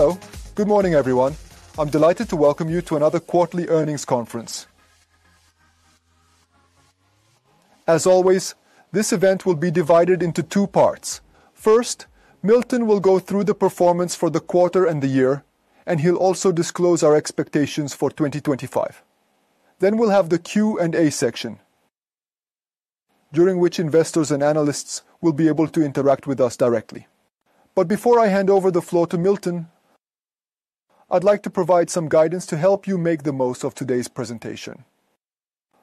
Hello, good morning everyone. I'm delighted to welcome you to another quarterly earnings conference. As always, this event will be divided into two parts. First, Milton will go through the performance for the quarter and the year, and he'll also disclose our expectations for 2025. Then we'll have the Q&A section, during which investors and analysts will be able to interact with us directly. But before I hand over the floor to Milton, I'd like to provide some guidance to help you make the most of today's presentation.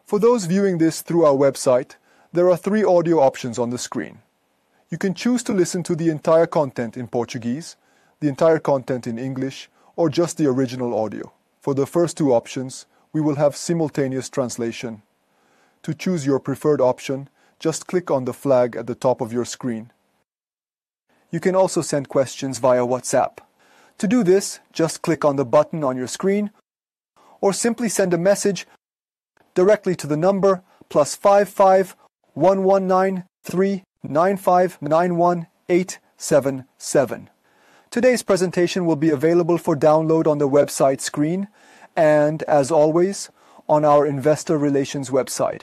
For those viewing this through our website, there are three audio options on the screen. You can choose to listen to the entire content in Portuguese, the entire content in English, or just the original audio. For the first two options, we will have simultaneous translation. To choose your preferred option, just click on the flag at the top of your screen. You can also send questions via WhatsApp. To do this, just click on the button on your screen, or simply send a message directly to the number +55 1193 9591 877. Today's presentation will be available for download on the website screen, and, as always, on our investor relations website.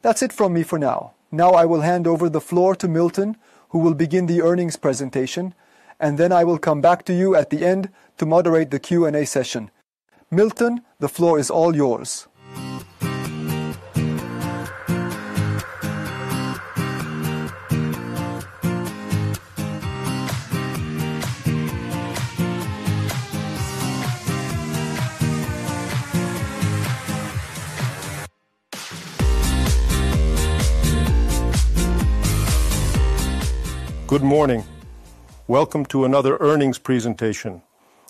That's it from me for now. Now I will hand over the floor to Milton, who will begin the earnings presentation, and then I will come back to you at the end to moderate the Q&A session. Milton, the floor is all yours. Good morning. Welcome to another earnings presentation.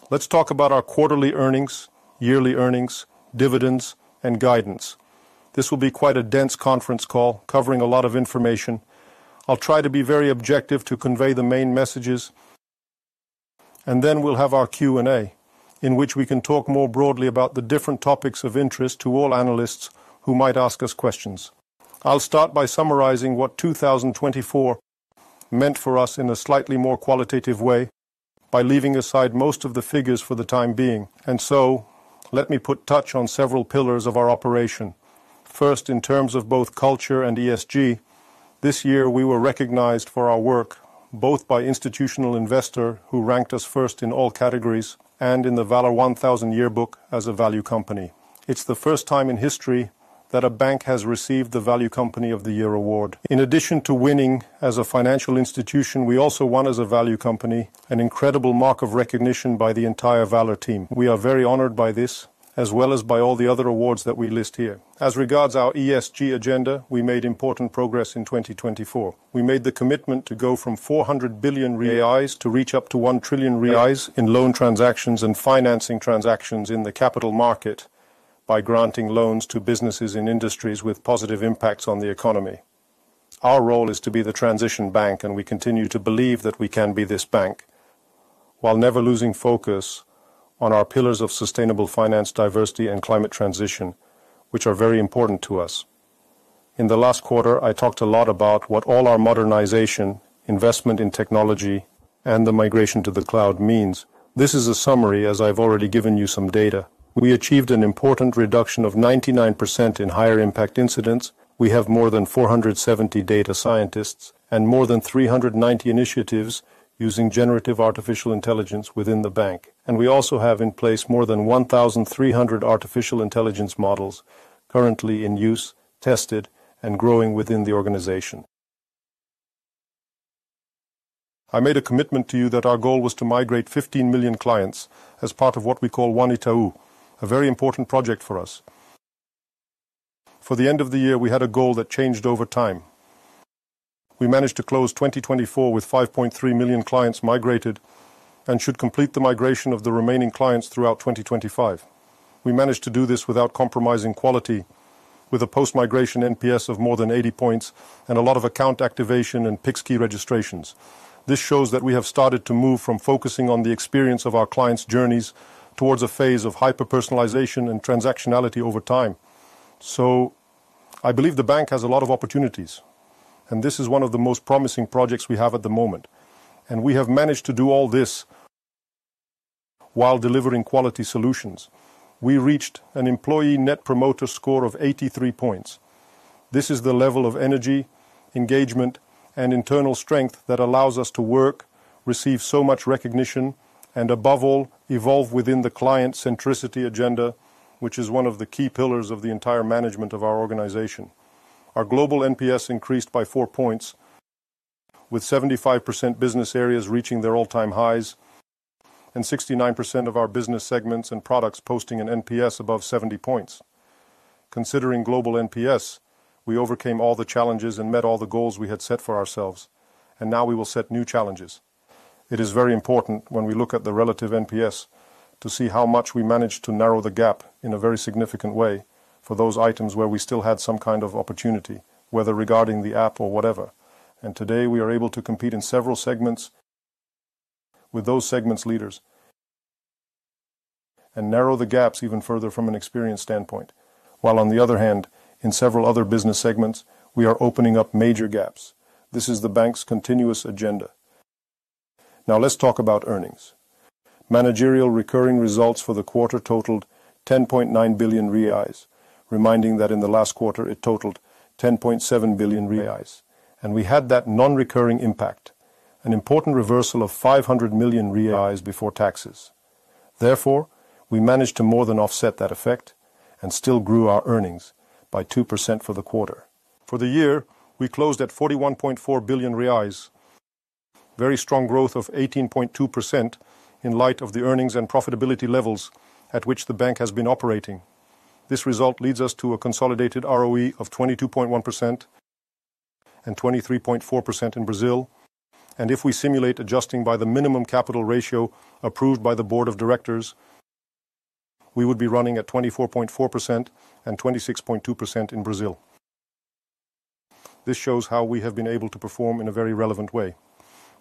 Let's talk about our quarterly earnings, yearly earnings, dividends, and guidance. This will be quite a dense conference call, covering a lot of information. I'll try to be very objective to convey the main messages, and then we'll have our Q&A, in which we can talk more broadly about the different topics of interest to all analysts who might ask us questions. I'll start by summarizing what 2024 meant for us in a slightly more qualitative way, by leaving aside most of the figures for the time being, and so let me touch on several pillars of our operation. First, in terms of both culture and ESG, this year we were recognized for our work, both by Institutional Investor who ranked us first in all categories and in the Valor 1000 yearbook as a value company. It's the first time in history that a bank has received the Value Company of the Year award. In addition to winning as a financial institution, we also won as a value company, an incredible mark of recognition by the entire Valor team. We are very honored by this, as well as by all the other awards that we list here. As regards our ESG agenda, we made important progress in 2024. We made the commitment to go from 400 billion reais to reach up to 1 trillion reais in loan transactions and financing transactions in the capital market by granting loans to businesses in industries with positive impacts on the economy. Our role is to be the transition bank, and we continue to believe that we can be this bank, while never losing focus on our pillars of sustainable finance, diversity, and climate transition, which are very important to us. In the last quarter, I talked a lot about what all our modernization, investment in technology, and the migration to the cloud means. This is a summary as I've already given you some data. We achieved an important reduction of 99% in higher impact incidents. We have more than 470 data scientists and more than 390 initiatives using generative artificial intelligence within the bank, and we also have in place more than 1,300 artificial intelligence models currently in use, tested, and growing within the organization. I made a commitment to you that our goal was to migrate 15 million clients as part of what we call One Itaú, a very important project for us. For the end of the year, we had a goal that changed over time. We managed to close 2024 with 5.3 million clients migrated and should complete the migration of the remaining clients throughout 2025. We managed to do this without compromising quality, with a post-migration NPS of more than 80 points and a lot of account activation and Pix key registrations. This shows that we have started to move from focusing on the experience of our clients' journeys towards a phase of hyper-personalization and transactionality over time. So, I believe the bank has a lot of opportunities, and this is one of the most promising projects we have at the moment. And we have managed to do all this while delivering quality solutions. We reached an Employee Net Promoter Score of 83 points. This is the level of energy, engagement, and internal strength that allows us to work, receive so much recognition, and above all, evolve within the client-centricity agenda, which is one of the key pillars of the entire management of our organization. Our global NPS increased by 4 points, with 75% business areas reaching their all-time highs and 69% of our business segments and products posting an NPS above 70 points. Considering global NPS, we overcame all the challenges and met all the goals we had set for ourselves, and now we will set new challenges. It is very important, when we look at the relative NPS, to see how much we managed to narrow the gap in a very significant way for those items where we still had some kind of opportunity, whether regarding the app or whatever. Today we are able to compete in several segments with those segments leaders and narrow the gaps even further from an experience standpoint. While on the other hand, in several other business segments, we are opening up major gaps. This is the bank's continuous agenda. Now let's talk about earnings. Managerial recurring results for the quarter totaled 10.9 billion reais, reminding that in the last quarter it totaled 10.7 billion reais. And we had that non-recurring impact, an important reversal of 500 million reais before taxes. Therefore, we managed to more than offset that effect and still grew our earnings by 2% for the quarter. For the year, we closed at 41.4 billion reais, very strong growth of 18.2% in light of the earnings and profitability levels at which the bank has been operating. This result leads us to a consolidated ROE of 22.1% and 23.4% in Brazil. And if we simulate adjusting by the minimum capital ratio approved by the board of directors, we would be running at 24.4% and 26.2% in Brazil. This shows how we have been able to perform in a very relevant way.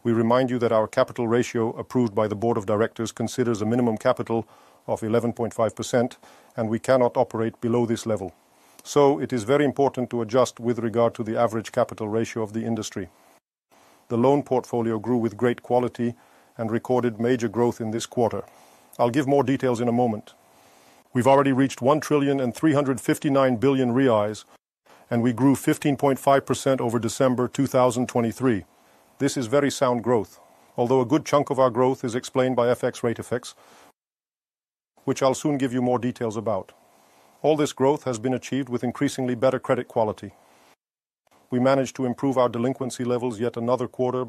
We remind you that our capital ratio approved by the board of directors considers a minimum capital of 11.5%, and we cannot operate below this level, so it is very important to adjust with regard to the average capital ratio of the industry. The loan portfolio grew with great quality and recorded major growth in this quarter. I'll give more details in a moment. We've already reached 1 trillion and 359 billion reais, and we grew 15.5% over December 2023. This is very sound growth, although a good chunk of our growth is explained by FX rate effects, which I'll soon give you more details about. All this growth has been achieved with increasingly better credit quality. We managed to improve our delinquency levels yet another quarter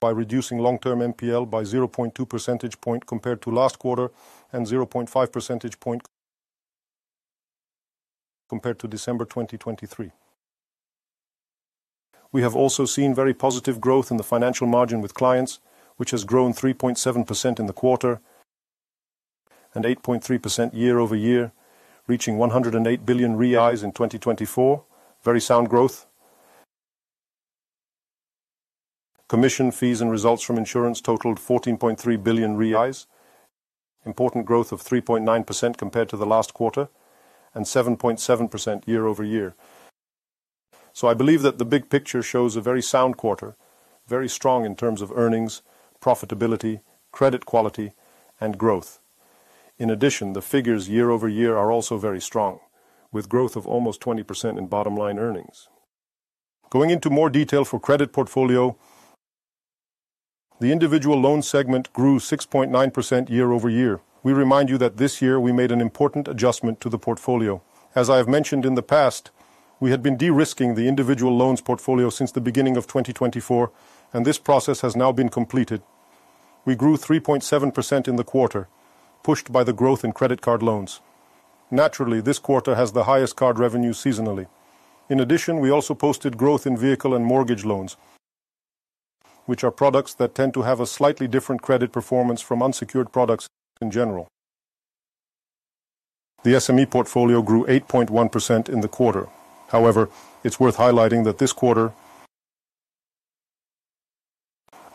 by reducing long-term NPL by 0.2 percentage points compared to last quarter and 0.5 percentage points compared to December 2023. We have also seen very positive growth in the financial margin with clients, which has grown 3.7% in the quarter and 8.3% year over year, reaching 108 billion reais in 2024. Very sound growth. Commission, fees, and results from insurance totaled 14.3 billion reais, important growth of 3.9% compared to the last quarter and 7.7% year over year. So, I believe that the big picture shows a very sound quarter, very strong in terms of earnings, profitability, credit quality, and growth. In addition, the figures year over year are also very strong, with growth of almost 20% in bottom line earnings. Going into more detail for credit portfolio, the individual loans segment grew 6.9% year over year. We remind you that this year we made an important adjustment to the portfolio. As I have mentioned in the past, we had been de-risking the individual loans portfolio since the beginning of 2024, and this process has now been completed. We grew 3.7% in the quarter, pushed by the growth in credit card loans. Naturally, this quarter has the highest card revenue seasonally. In addition, we also posted growth in vehicle and mortgage loans, which are products that tend to have a slightly different credit performance from unsecured products in general. The SME portfolio grew 8.1% in the quarter. However, it's worth highlighting that this quarter,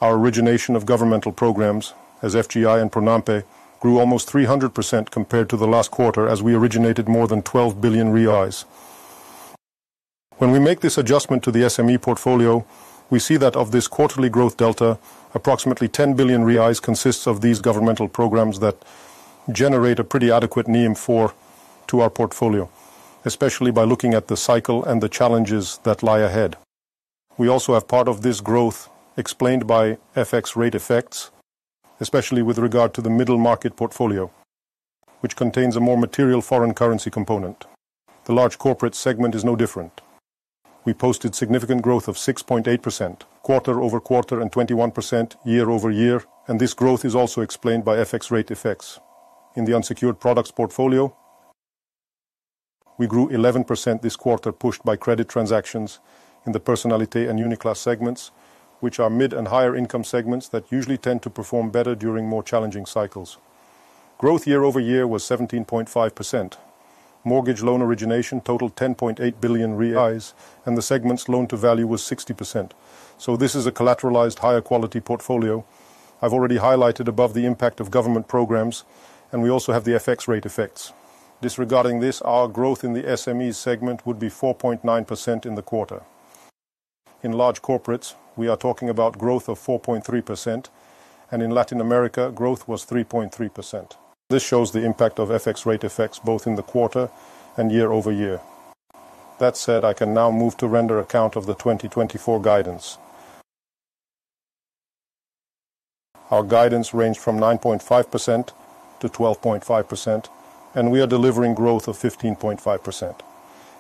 our origination of governmental programs as FGI and PRONAMPE grew almost 300% compared to the last quarter, as we originated more than 12 billion reais. When we make this adjustment to the SME portfolio, we see that of this quarterly growth delta, approximately 10 billion reais consists of these governmental programs that generate a pretty adequate NIM to our portfolio, especially by looking at the cycle and the challenges that lie ahead. We also have part of this growth explained by FX rate effects, especially with regard to the middle market portfolio, which contains a more material foreign currency component. The large corporate segment is no different. We posted significant growth of 6.8% quarter over quarter and 21% year over year, and this growth is also explained by FX rate effects. In the unsecured products portfolio, we grew 11% this quarter, pushed by credit transactions in the Personnalité and Uniclass segments, which are mid and higher income segments that usually tend to perform better during more challenging cycles. Growth year over year was 17.5%. Mortgage loan origination totaled 10.8 billion reais, and the segment's loan-to-value was 60%. So, this is a collateralized higher quality portfolio. I've already highlighted above the impact of government programs, and we also have the FX rate effects. Disregarding this, our growth in the SME segment would be 4.9% in the quarter. In large corporates, we are talking about growth of 4.3%, and in Latin America, growth was 3.3%. This shows the impact of FX rate effects both in the quarter and year over year. That said, I can now move to render account of the 2024 guidance. Our guidance ranged from 9.5%-12.5%, and we are delivering growth of 15.5%.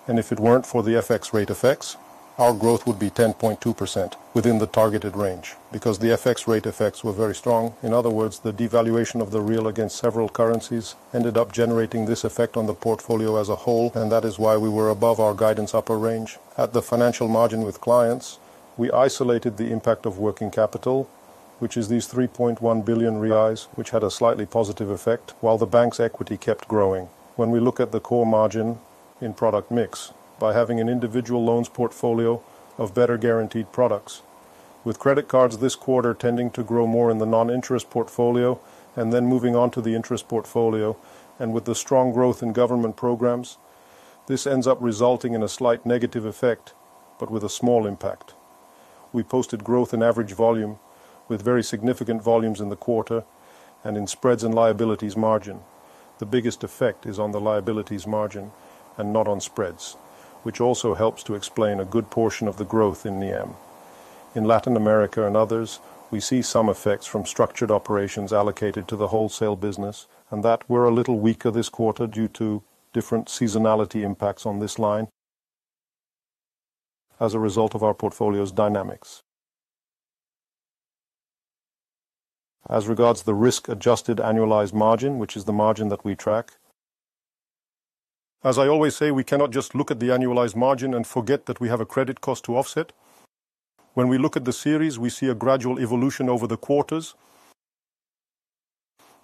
And if it weren't for the FX rate effects, our growth would be 10.2% within the targeted range, because the FX rate effects were very strong. In other words, the devaluation of the Real against several currencies ended up generating this effect on the portfolio as a whole, and that is why we were above our guidance upper range. At the financial margin with clients, we isolated the impact of working capital, which is these 3.1 billion reais, which had a slightly positive effect, while the bank's equity kept growing. When we look at the core margin in product mix, by having an individual loans portfolio of better guaranteed products, with credit cards this quarter tending to grow more in the non-interest portfolio and then moving on to the interest portfolio, and with the strong growth in government programs, this ends up resulting in a slight negative effect but with a small impact. We posted growth in average volume with very significant volumes in the quarter and in spreads and liabilities margin. The biggest effect is on the liabilities margin and not on spreads, which also helps to explain a good portion of the growth in NIM. In Latin America and others, we see some effects from structured operations allocated to the wholesale business, and that we're a little weaker this quarter due to different seasonality impacts on this line as a result of our portfolio's dynamics. As regards the risk-adjusted annualized margin, which is the margin that we track, as I always say, we cannot just look at the annualized margin and forget that we have a credit cost to offset. When we look at the series, we see a gradual evolution over the quarters,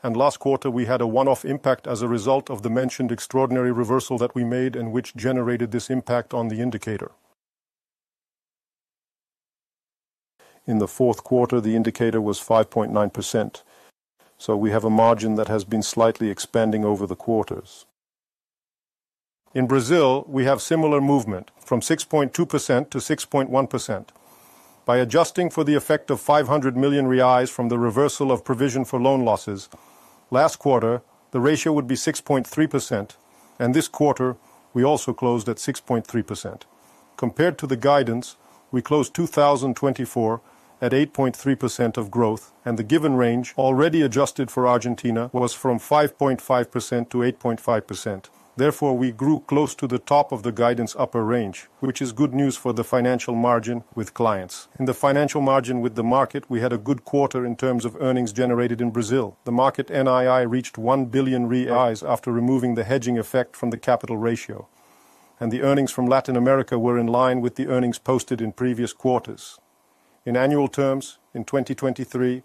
and last quarter we had a one-off impact as a result of the mentioned extraordinary reversal that we made and which generated this impact on the indicator. In the fourth quarter, the indicator was 5.9%, so we have a margin that has been slightly expanding over the quarters. In Brazil, we have similar movement from 6.2% to 6.1%. By adjusting for the effect of 500 million reais from the reversal of provision for loan losses, last quarter the ratio would be 6.3%, and this quarter we also closed at 6.3%. Compared to the guidance, we closed 2024 at 8.3% of growth, and the given range, already adjusted for Argentina, was 5.5%-8.5%. Therefore, we grew close to the top of the guidance upper range, which is good news for the financial margin with clients. In the financial margin with the market, we had a good quarter in terms of earnings generated in Brazil. The market NII reached 1 billion reais after removing the hedging effect from the capital ratio, and the earnings from Latin America were in line with the earnings posted in previous quarters. In annual terms, in 2023,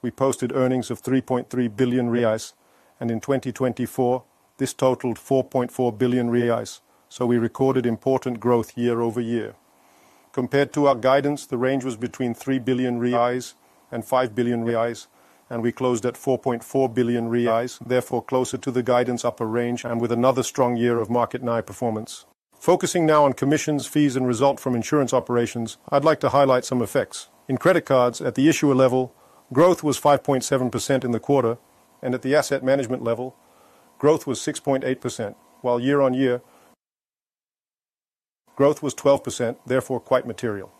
we posted earnings of 3.3 billion reais, and in 2024, this totaled 4.4 billion reais, so we recorded important growth year over year. Compared to our guidance, the range was between 3 billion reais and 5 billion reais, and we closed at 4.4 billion reais, therefore closer to the guidance upper range and with another strong year of market NII performance. Focusing now on commissions, fees, and result from insurance operations, I'd like to highlight some effects. In credit cards, at the issuer level, growth was 5.7% in the quarter, and at the asset management level, growth was 6.8%, while year on year, growth was 12%, therefore quite material.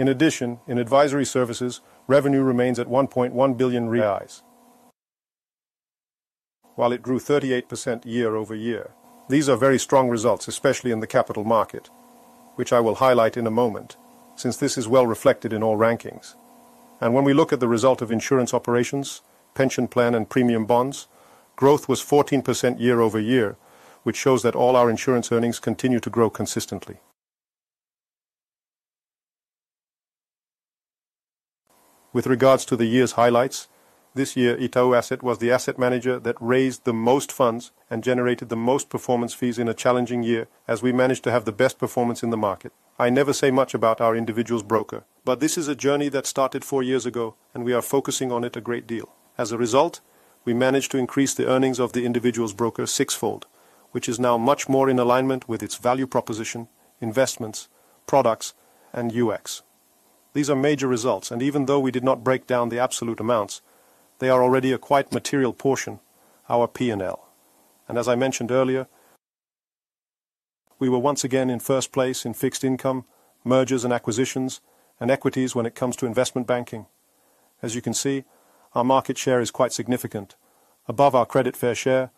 In addition, in advisory services, revenue remains at 1.1 billion reais, while it grew 38% year over year. These are very strong results, especially in the capital market, which I will highlight in a moment, since this is well reflected in all rankings, and when we look at the result of insurance operations, pension plan, and premium bonds, growth was 14% year over year, which shows that all our insurance earnings continue to grow consistently. With regards to the year's highlights, this year Itaú Asset was the asset manager that raised the most funds and generated the most performance fees in a challenging year, as we managed to have the best performance in the market. I never say much about our individuals broker, but this is a journey that started four years ago, and we are focusing on it a great deal. As a result, we managed to increase the earnings of the individuals broker sixfold, which is now much more in alignment with its value proposition, investments, products, and UX. These are major results, and even though we did not break down the absolute amounts, they are already a quite material portion, our P&L. As I mentioned earlier, we were once again in first place in fixed income, mergers and acquisitions, and equities when it comes to investment banking. As you can see, our market share is quite significant, above our credit fair share,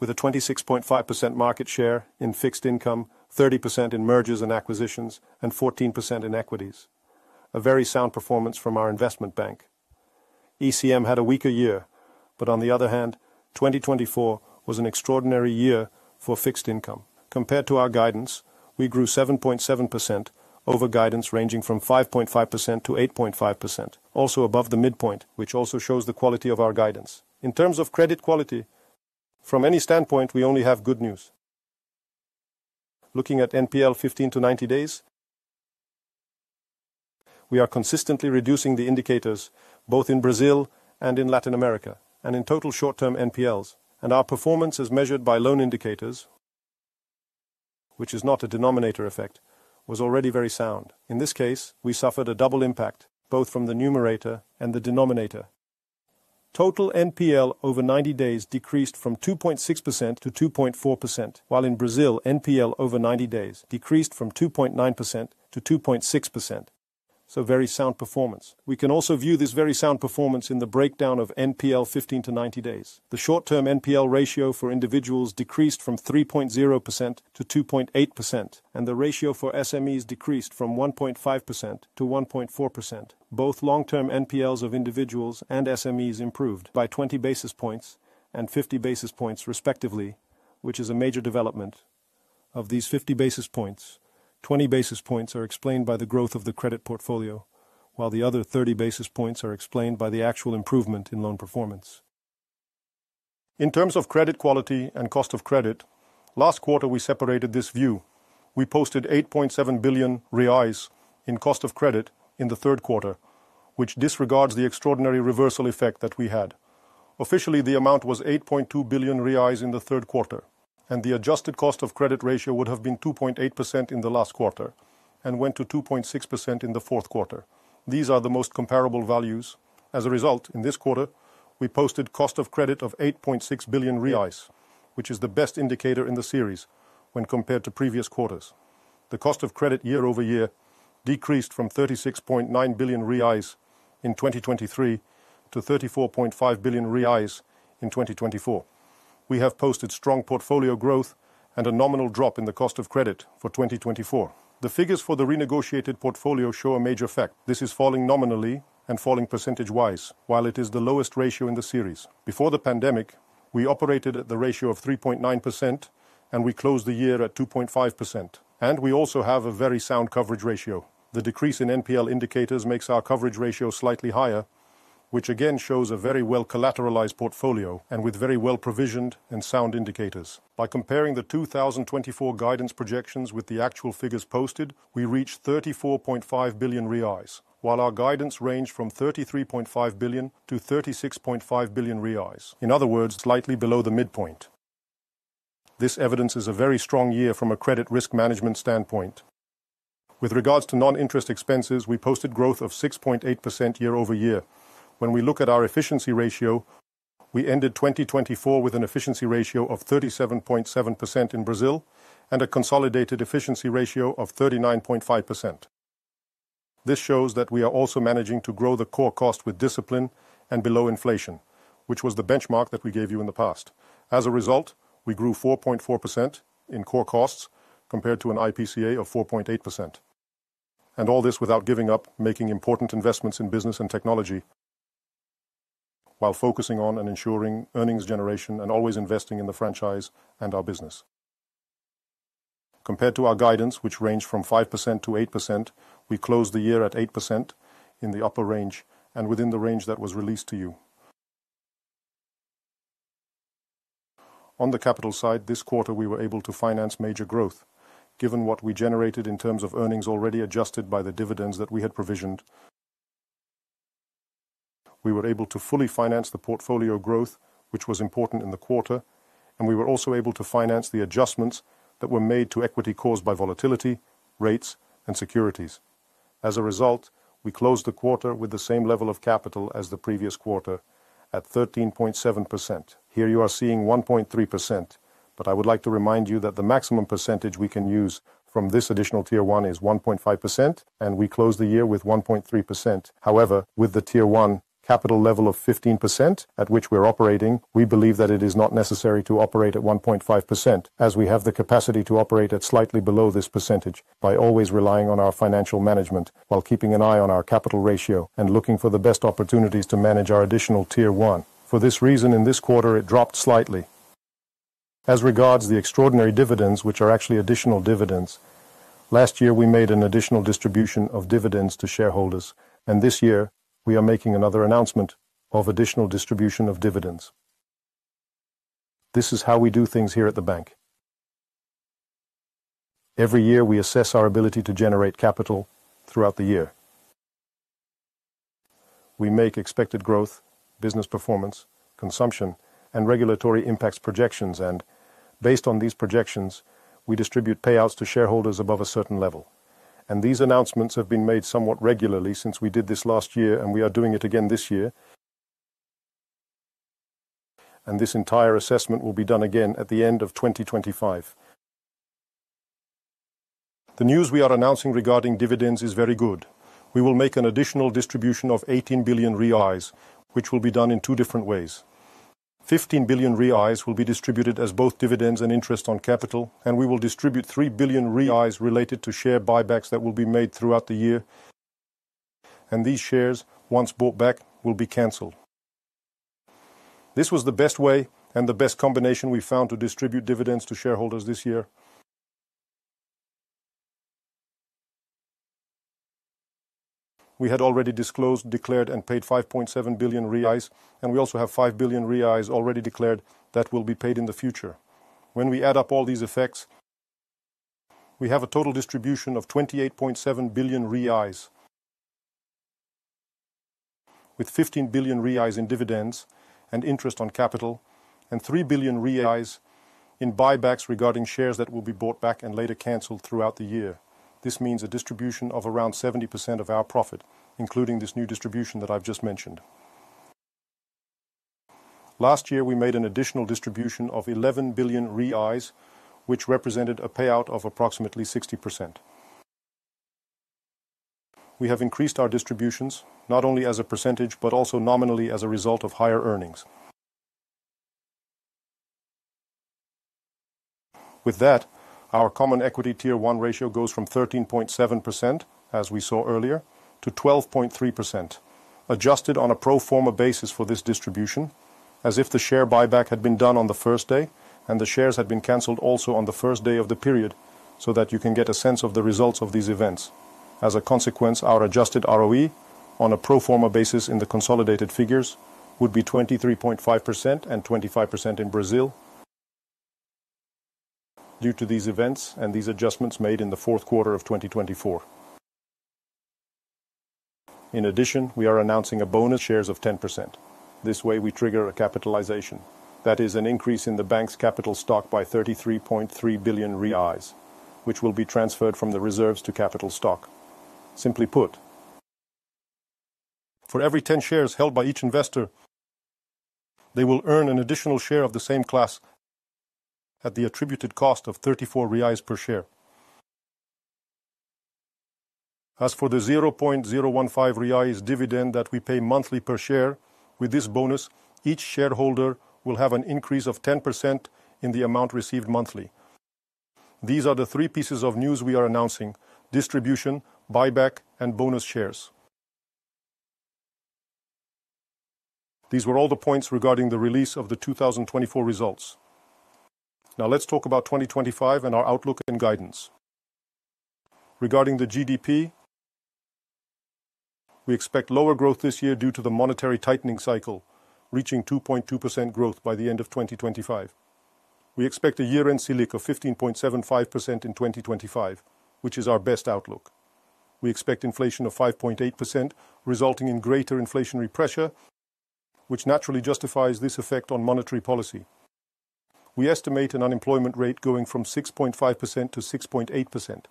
with a 26.5% market share in fixed income, 30% in mergers and acquisitions, and 14% in equities. A very sound performance from our investment bank. ECM had a weaker year, but on the other hand, 2024 was an extraordinary year for fixed income. Compared to our guidance, we grew 7.7% over guidance ranging from 5.5%-8.5%, also above the midpoint, which also shows the quality of our guidance. In terms of credit quality, from any standpoint, we only have good news. Looking at NPL 15 to 90 days, we are consistently reducing the indicators both in Brazil and in Latin America, and in total short-term NPLs, our performance as measured by loan indicators, which is not a denominator effect, was already very sound. In this case, we suffered a double impact, both from the numerator and the denominator. Total NPL over 90 days decreased from 2.6% to 2.4%, while in Brazil, NPL over 90 days decreased from 2.9% to 2.6%. Very sound performance. We can also view this very sound performance in the breakdown of NPL 15 to 90 days. The short-term NPL ratio for individuals decreased from 3.0% to 2.8%, and the ratio for SMEs decreased from 1.5% to 1.4%. Both long-term NPLs of individuals and SMEs improved by 20 basis points and 50 basis points respectively, which is a major development. Of these 50 basis points, 20 basis points are explained by the growth of the credit portfolio, while the other 30 basis points are explained by the actual improvement in loan performance. In terms of credit quality and cost of credit, last quarter we separated this view. We posted 8.7 billion reais in cost of credit in the third quarter, which disregards the extraordinary reversal effect that we had. Officially, the amount was 8.2 billion reais in the third quarter, and the adjusted cost of credit ratio would have been 2.8% in the last quarter and went to 2.6% in the fourth quarter. These are the most comparable values. As a result, in this quarter, we posted cost of credit of 8.6 billion reais, which is the best indicator in the series when compared to previous quarters. The cost of credit year over year decreased from 36.9 billion reais in 2023 to 34.5 billion reais in 2024. We have posted strong portfolio growth and a nominal drop in the cost of credit for 2024. The figures for the renegotiated portfolio show a major effect. This is falling nominally and falling percentage-wise, while it is the lowest ratio in the series. Before the pandemic, we operated at the ratio of 3.9%, and we closed the year at 2.5%, and we also have a very sound coverage ratio. The decrease in NPL indicators makes our coverage ratio slightly higher, which again shows a very well-collateralized portfolio and with very well-provisioned and sound indicators. By comparing the 2024 guidance projections with the actual figures posted, we reached 34.5 billion reais, while our guidance ranged from 33.5 billion to 36.5 billion reais. In other words, slightly below the midpoint. This evidences a very strong year from a credit risk management standpoint. With regards to non-interest expenses, we posted growth of 6.8% year over year. When we look at our efficiency ratio, we ended 2024 with an efficiency ratio of 37.7% in Brazil and a consolidated efficiency ratio of 39.5%. This shows that we are also managing to grow the core cost with discipline and below inflation, which was the benchmark that we gave you in the past. As a result, we grew 4.4% in core costs compared to an IPCA of 4.8%. All this without giving up, making important investments in business and technology, while focusing on and ensuring earnings generation and always investing in the franchise and our business. Compared to our guidance, which ranged from 5%-8%, we closed the year at 8% in the upper range and within the range that was released to you. On the capital side, this quarter we were able to finance major growth, given what we generated in terms of earnings already adjusted by the dividends that we had provisioned. We were able to fully finance the portfolio growth, which was important in the quarter, and we were also able to finance the adjustments that were made to equity caused by volatility, rates, and securities. As a result, we closed the quarter with the same level of capital as the previous quarter, at 13.7%. Here you are seeing 1.3%, but I would like to remind you that the maximum percentage we can use from this additional tier one is 1.5%, and we closed the year with 1.3%. However, with the tier one capital level of 15%, at which we're operating, we believe that it is not necessary to operate at 1.5%, as we have the capacity to operate at slightly below this percentage by always relying on our financial management while keeping an eye on our capital ratio and looking for the best opportunities to manage our additional tier one. For this reason, in this quarter, it dropped slightly. As regards the extraordinary dividends, which are actually additional dividends, last year we made an additional distribution of dividends to shareholders, and this year we are making another announcement of additional distribution of dividends. This is how we do things here at the bank. Every year we assess our ability to generate capital throughout the year. We make expected growth, business performance, consumption, and regulatory impacts projections, and based on these projections, we distribute payouts to shareholders above a certain level, and these announcements have been made somewhat regularly since we did this last year, and we are doing it again this year, and this entire assessment will be done again at the end of 2025. The news we are announcing regarding dividends is very good. We will make an additional distribution of 18 billion reais, which will be done in two different ways. 15 billion reais will be distributed as both dividends and interest on capital, and we will distribute 3 billion reais related to share buybacks that will be made throughout the year, and these shares, once bought back, will be canceled. This was the best way and the best combination we found to distribute dividends to shareholders this year. We had already disclosed, declared, and paid 5.7 billion reais, and we also have 5 billion reais already declared that will be paid in the future. When we add up all these effects, we have a total distribution of 28.7 billion reais, with 15 billion reais in dividends and interest on capital, and 3 billion reais in buybacks regarding shares that will be bought back and later canceled throughout the year. This means a distribution of around 70% of our profit, including this new distribution that I've just mentioned. Last year, we made an additional distribution of 11 billion, which represented a payout of approximately 60%. We have increased our distributions, not only as a percentage but also nominally as a result of higher earnings. With that, our Common Equity Tier 1 ratio goes from 13.7%, as we saw earlier, to 12.3%, adjusted on a pro forma basis for this distribution, as if the share buyback had been done on the first day and the shares had been canceled also on the first day of the period, so that you can get a sense of the results of these events. As a consequence, our adjusted ROE, on a pro forma basis in the consolidated figures, would be 23.5% and 25% in Brazil due to these events and these adjustments made in the fourth quarter of 2024. In addition, we are announcing a bonus shares of 10%. This way, we trigger a capitalization, that is, an increase in the bank's capital stock by 33.3 billion reais, which will be transferred from the reserves to capital stock. Simply put, for every 10 shares held by each investor, they will earn an additional share of the same class at the attributed cost of 34 reais per share. As for the 0.015 reais dividend that we pay monthly per share, with this bonus, each shareholder will have an increase of 10% in the amount received monthly. These are the three pieces of news we are announcing: distribution, buyback, and bonus shares. These were all the points regarding the release of the 2024 results. Now let's talk about 2025 and our outlook and guidance. Regarding the GDP, we expect lower growth this year due to the monetary tightening cycle, reaching 2.2% growth by the end of 2025. We expect a year-end Selic of 15.75% in 2025, which is our best outlook. We expect inflation of 5.8%, resulting in greater inflationary pressure, which naturally justifies this effect on monetary policy. We estimate an unemployment rate going from 6.5% to 6.8%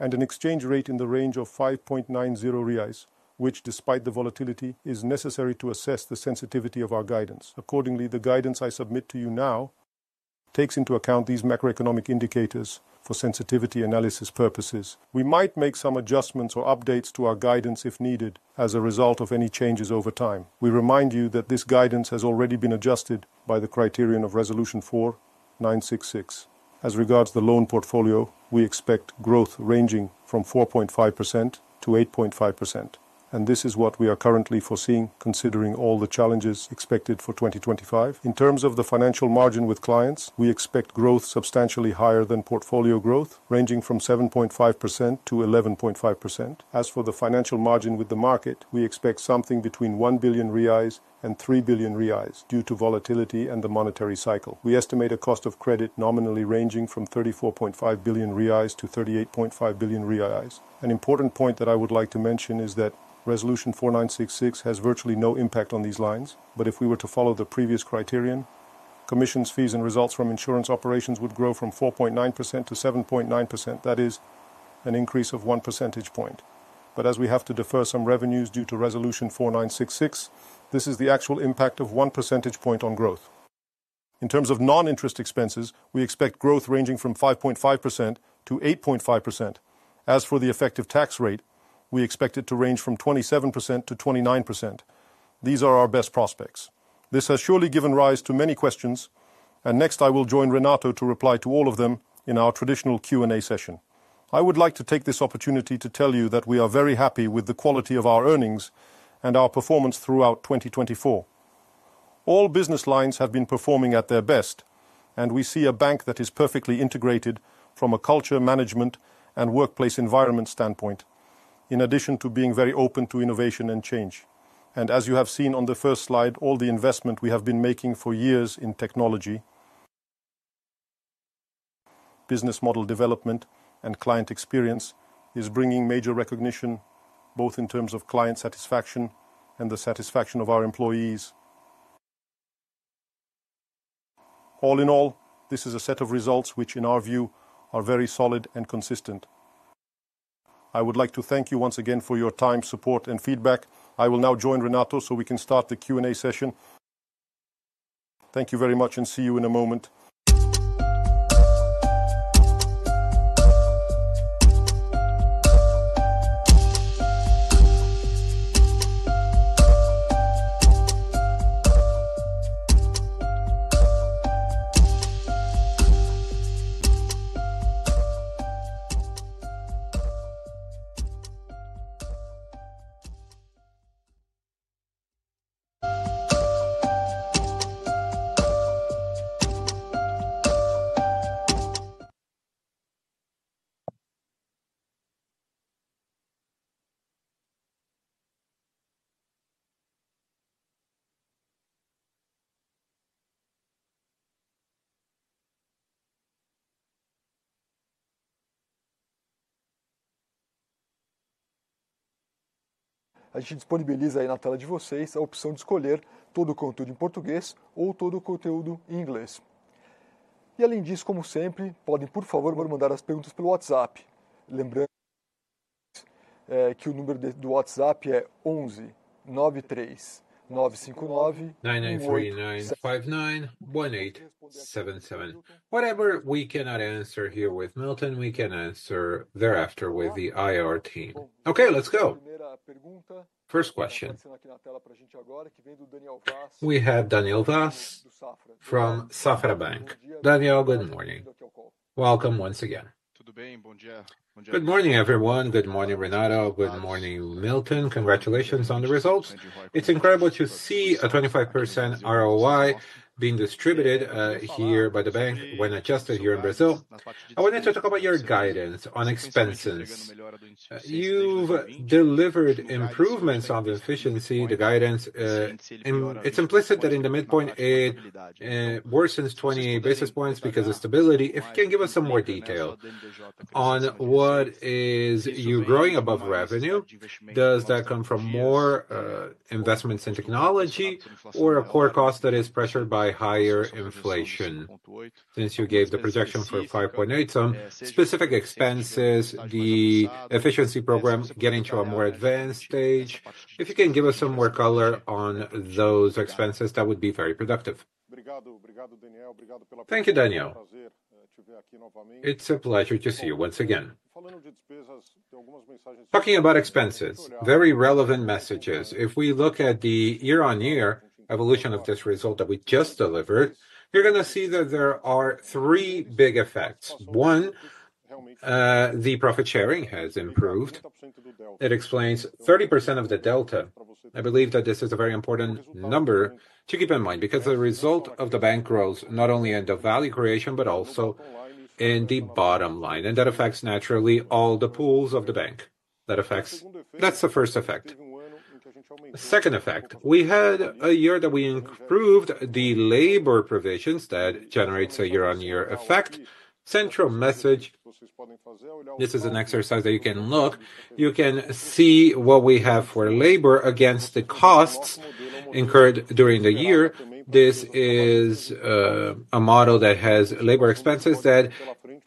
and an exchange rate in the range of 5.90 reais, which, despite the volatility, is necessary to assess the sensitivity of our guidance. Accordingly, the guidance I submit to you now takes into account these macroeconomic indicators for sensitivity analysis purposes. We might make some adjustments or updates to our guidance if needed as a result of any changes over time. We remind you that this guidance has already been adjusted by the criterion of Resolution 4966. As regards the loan portfolio, we expect growth ranging from 4.5% to 8.5%, and this is what we are currently foreseeing, considering all the challenges expected for 2025. In terms of the financial margin with clients, we expect growth substantially higher than portfolio growth, ranging from 7.5% to 11.5%. As for the financial margin with the market, we expect something between 1 billion reais and 3 billion reais, due to volatility and the monetary cycle. We estimate a cost of credit nominally ranging from 34.5 billion reais to 38.5 billion reais. An important point that I would like to mention is that Resolution 4966 has virtually no impact on these lines, but if we were to follow the previous criterion, commissions, fees, and results from insurance operations would grow from 4.9% to 7.9%, that is, an increase of 1 percentage point. But as we have to defer some revenues due to Resolution 4966, this is the actual impact of 1 percentage point on growth. In terms of non-interest expenses, we expect growth ranging from 5.5% to 8.5%. As for the effective tax rate, we expect it to range from 27% to 29%. These are our best prospects. This has surely given rise to many questions, and next I will join Renato to reply to all of them in our traditional Q&A session. I would like to take this opportunity to tell you that we are very happy with the quality of our earnings and our performance throughout 2024. All business lines have been performing at their best, and we see a bank that is perfectly integrated from a culture, management, and workplace environment standpoint, in addition to being very open to innovation and change, and as you have seen on the first slide, all the investment we have been making for years in technology, business model development, and client experience is bringing major recognition, both in terms of client satisfaction and the satisfaction of our employees. All in all, this is a set of results which, in our view, are very solid and consistent. I would like to thank you once again for your time, support, and feedback. I will now join Renato so we can start the Q&A session. Thank you very much and see you in a moment. A gente disponibiliza aí na tela de vocês a opção de escolher todo o conteúdo em português ou todo o conteúdo em inglês. E além disso, como sempre, podem, por favor, mandar as perguntas pelo WhatsApp. Lembrando que o número do WhatsApp é 11 93 959. 9949 5918 77. Whatever we cannot answer here with Milton, we can answer thereafter with the IR team. Okay, let's go. First question we have Daniel Vaz from Banco Safra. Daniel, good morning. Welcome once again. Good morning, everyone. Good morning, Renato. Good morning, Milton. Congratulations on the results. It's incredible to see a 25% ROI being distributed here by the bank when adjusted here in Brazil. I wanted to talk about your guidance on expenses. You've delivered improvements on the efficiency, the guidance. It's implicit that in the midpoint, it worsens 20 basis points because of stability. If you can give us some more detail on what's growing above revenue, does that come from more investments in technology or a core cost that is pressured by higher inflation? Since you gave the projection for 5.8%, some specific expenses, the efficiency program getting to a more advanced stage. If you can give us some more color on those expenses, that would be very productive. Thank you, Daniel. It's a pleasure to see you once again. Talking about expenses, very relevant messages. If we look at the year-on-year evolution of this result that we just delivered, you're going to see that there are three big effects. One, the profit sharing has improved. It explains 30% of the delta. I believe that this is a very important number to keep in mind because the result of the bank grows not only in the value creation but also in the bottom line, and that affects naturally all the pools of the bank. That affects. That's the first effect. Second effect, we had a year that we improved the labor provisions that generates a year-on-year effect. Central message, this is an exercise that you can look. You can see what we have for labor against the costs incurred during the year. This is a model that has labor expenses that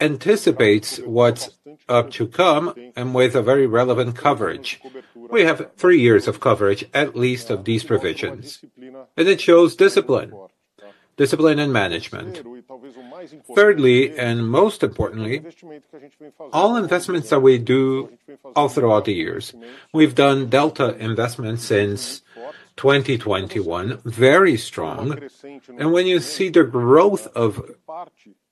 anticipates what's up to come and with a very relevant coverage. We have three years of coverage, at least of these provisions, and it shows discipline, discipline and management. Thirdly, and most importantly, all investments that we do all throughout the years. We've done delta investments since 2021, very strong, and when you see the growth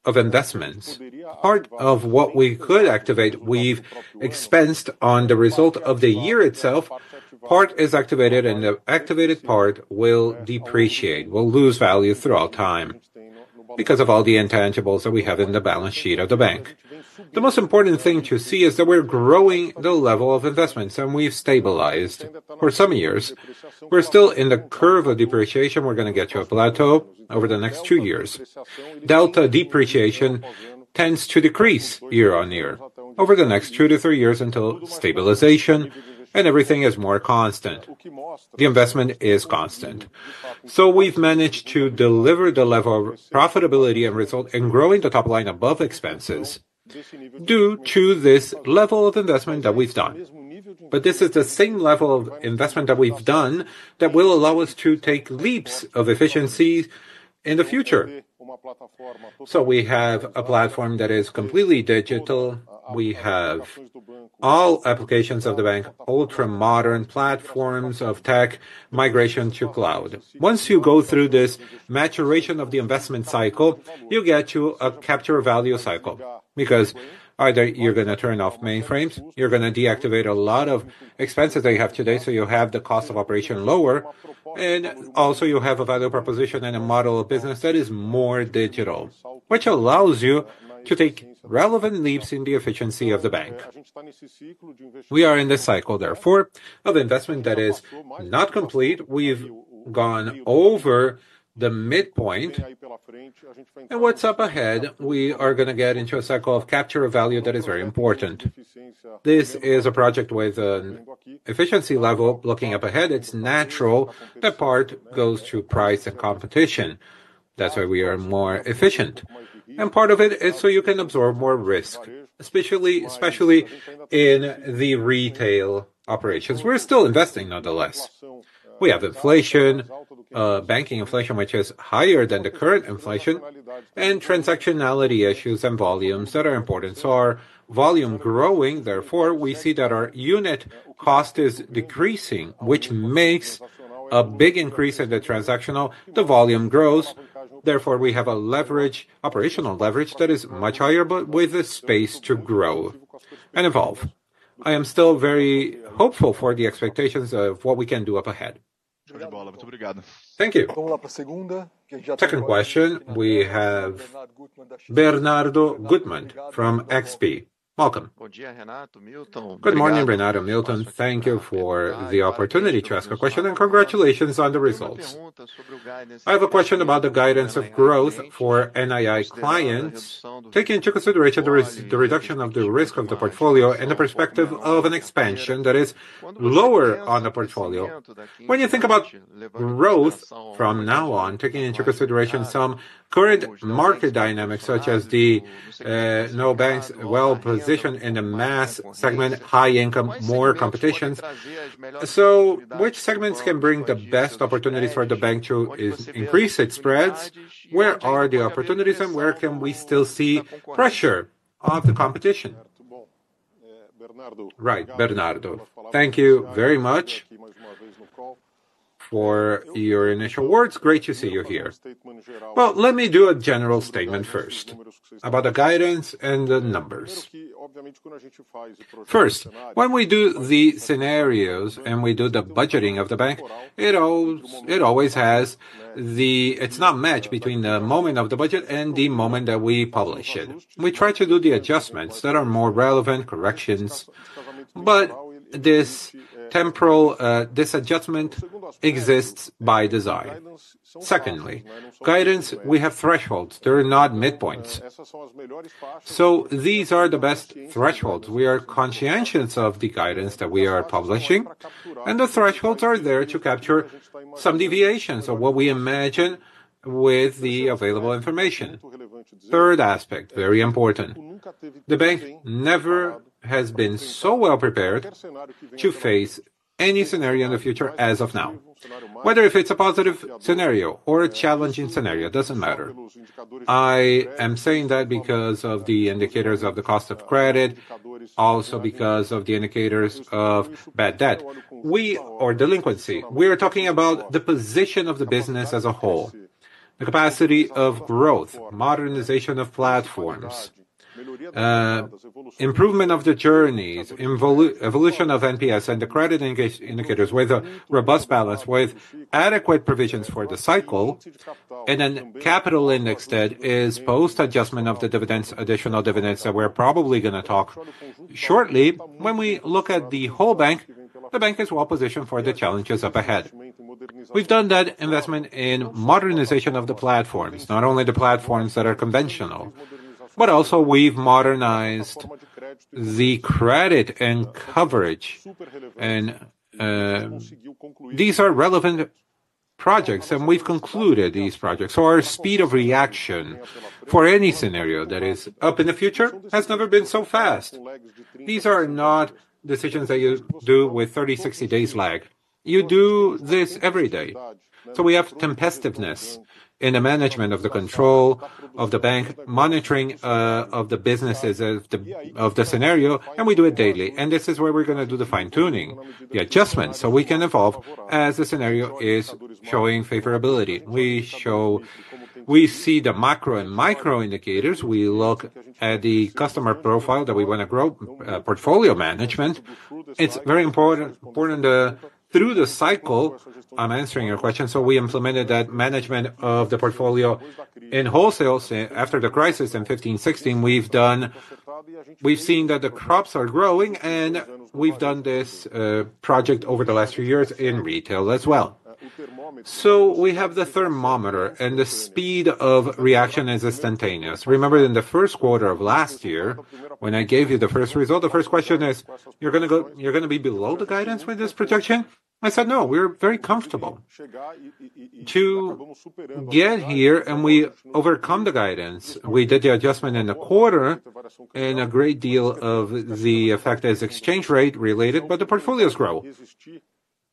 of investments, part of what we could activate, we've expensed on the result of the year itself. Part is activated, and the activated part will depreciate, will lose value throughout time because of all the intangibles that we have in the balance sheet of the bank. The most important thing to see is that we're growing the level of investments, and we've stabilized for some years. We're still in the curve of depreciation. We're going to get to a plateau over the next two years. Delta depreciation tends to decrease year on year over the next two to three years until stabilization, and everything is more constant. The investment is constant. So we've managed to deliver the level of profitability and result in growing the top line above expenses due to this level of investment that we've done. But this is the same level of investment that we've done that will allow us to take leaps of efficiency in the future. So we have a platform that is completely digital. We have all applications of the bank, ultra-modern platforms of tech migration to cloud. Once you go through this maturation of the investment cycle, you get to a capture value cycle because either you're going to turn off mainframes, you're going to deactivate a lot of expenses that you have today, so you have the cost of operation lower, and also you have a value proposition and a model of business that is more digital, which allows you to take relevant leaps in the efficiency of the bank. We are in this cycle therefore of investment that is not complete. We've gone over the midpoint, and what's up ahead? We are going to get into a cycle of capture of value that is very important. This is a project with an efficiency level looking up ahead. It's natural that part goes to price and competition. That's why we are more efficient. And part of it is so you can absorb more risk, especially in the retail operations. We're still investing, nonetheless. We have inflation, banking inflation, which is higher than the current inflation, and transactionality issues and volumes that are important. So our volume growing. Therefore, we see that our unit cost is decreasing, which makes a big increase in the transactional. The volume grows. Therefore, we have a leverage, operational leverage that is much higher, but with a space to grow and evolve. I am still very hopeful for the expectations of what we can do up ahead. Thank you. Second question, we have Bernardo Guttmann from XP. Welcome. Good morning, Renato, Milton. Thank you for the opportunity to ask a question, and congratulations on the results. I have a question about the guidance of growth for NII clients, taking into consideration the reduction of the risk of the portfolio and the perspective of an expansion that is lower on the portfolio. When you think about growth from now on, taking into consideration some current market dynamics, such as the top banks well positioned in the mass segment, high income, more competition. So which segments can bring the best opportunities for the bank to increase its spreads? Where are the opportunities, and where can we still see pressure of the competition? Right, Bernardo, thank you very much for your initial words. Great to see you here. Well, let me do a general statement first about the guidance and the numbers. First, when we do the scenarios and we do the budgeting of the bank, it always has the, it's not matched between the moment of the budget and the moment that we publish it. We try to do the adjustments that are more relevant corrections, but this temporal, this adjustment exists by design. Secondly, guidance, we have thresholds. They're not midpoints. So these are the best thresholds. We are conscientious of the guidance that we are publishing, and the thresholds are there to capture some deviations of what we imagine with the available information. Third aspect, very important. The bank never has been so well prepared to face any scenario in the future as of now. Whether if it's a positive scenario or a challenging scenario, it doesn't matter. I am saying that because of the indicators of the cost of credit, also because of the indicators of bad debt. We are talking about the position of the business as a whole, the capacity of growth, modernization of platforms, improvement of the journeys, evolution of NPS and the credit indicators with a robust balance, with adequate provisions for the cycle and a capital index that is post-adjustment of the dividends, additional dividends that we're probably going to talk shortly. When we look at the whole bank, the bank is well positioned for the challenges up ahead. We've done that investment in modernization of the platforms, not only the platforms that are conventional, but also we've modernized the credit and coverage. These are relevant projects, and we've concluded these projects. Our speed of reaction for any scenario that is up in the future has never been so fast. These are not decisions that you do with 30, 60 days lag. You do this every day. We have timeliness in the management of the control of the bank, monitoring of the businesses of the scenario, and we do it daily. This is where we're going to do the fine-tuning, the adjustments, so we can evolve as the scenario is showing favorability. We show, we see the macro and micro indicators. We look at the customer profile that we want to grow, portfolio management. It's very important through the cycle. I'm answering your question. We implemented that management of the portfolio in wholesale after the crisis in 2015-2016. We've done, we've seen that the crops are growing, and we've done this project over the last few years in retail as well. So we have the thermometer, and the speed of reaction is instantaneous. Remember in the first quarter of last year, when I gave you the first result, the first question is, you're going to go, you're going to be below the guidance with this projection? I said, no, we're very comfortable to get here, and we overcome the guidance. We did the adjustment in the quarter, and a great deal of the effect is exchange rate related, but the portfolios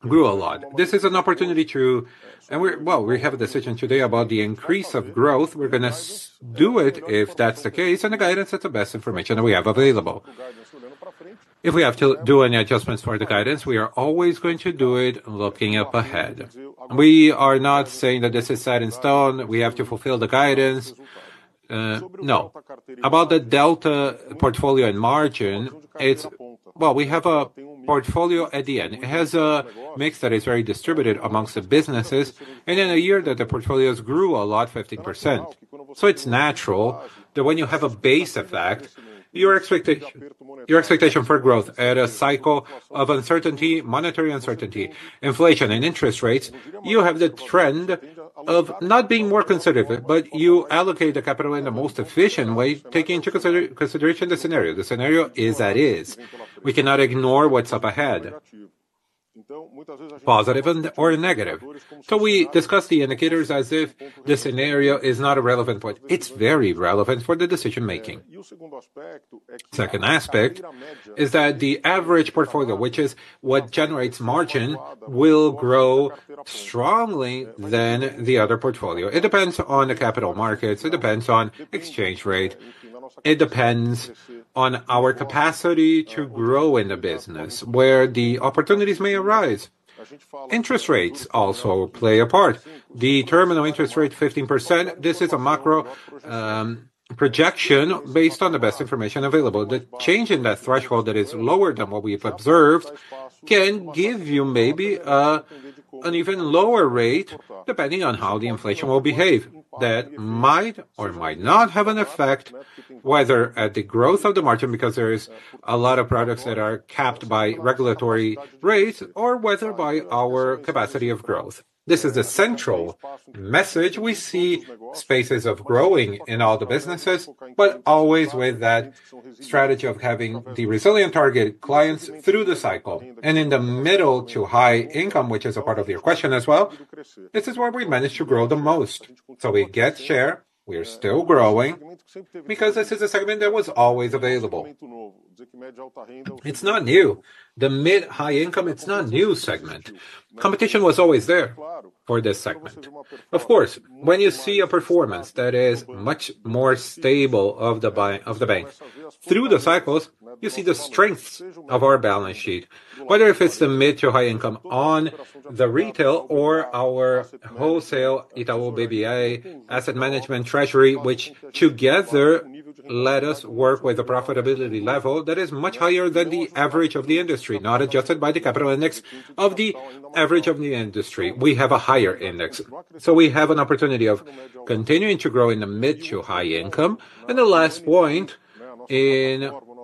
grew a lot. This is an opportunity to, and we're, well, we have a decision today about the increase of growth. We're going to do it if that's the case, and the guidance is the best information that we have available. If we have to do any adjustments for the guidance, we are always going to do it looking up ahead. We are not saying that this is set in stone. We have to fulfill the guidance. No. About the delta portfolio and margin, it's, well, we have a portfolio at the end. It has a mix that is very distributed amongst the businesses, and in a year that the portfolios grew a lot, 15%. So it's natural that when you have a base effect, your expectation for growth at a cycle of uncertainty, monetary uncertainty, inflation, and interest rates, you have the trend of not being more conservative, but you allocate the capital in the most efficient way, taking into consideration the scenario. The scenario is that is. We cannot ignore what's up ahead, positive or negative. So we discuss the indicators as if the scenario is not a relevant point. It's very relevant for the decision-making. Second aspect is that the average portfolio, which is what generates margin, will grow strongly than the other portfolio. It depends on the capital markets. It depends on exchange rate. It depends on our capacity to grow in the business where the opportunities may arise. Interest rates also play a part. The terminal interest rate, 15%. This is a macro projection based on the best information available. The change in that threshold that is lower than what we've observed can give you maybe an even lower rate, depending on how the inflation will behave. That might or might not have an effect, whether at the growth of the margin because there is a lot of products that are capped by regulatory rates or whether by our capacity of growth. This is the central message. We see spaces of growing in all the businesses, but always with that strategy of having the resilient target clients through the cycle, and in the middle to high income, which is a part of your question as well, this is where we managed to grow the most, so we get share. We're still growing because this is a segment that was always available. It's not new. The mid-high income, it's not a new segment. Competition was always there for this segment. Of course, when you see a performance that is much more stable of the bank through the cycles, you see the strengths of our balance sheet, whether it's the mid- to high-income on the retail or our wholesale, Itaú BBA, asset management, treasury, which together let us work with a profitability level that is much higher than the average of the industry, not adjusted by the capital index of the average of the industry. We have a higher index, so we have an opportunity of continuing to grow in the mid- to high-income. The last point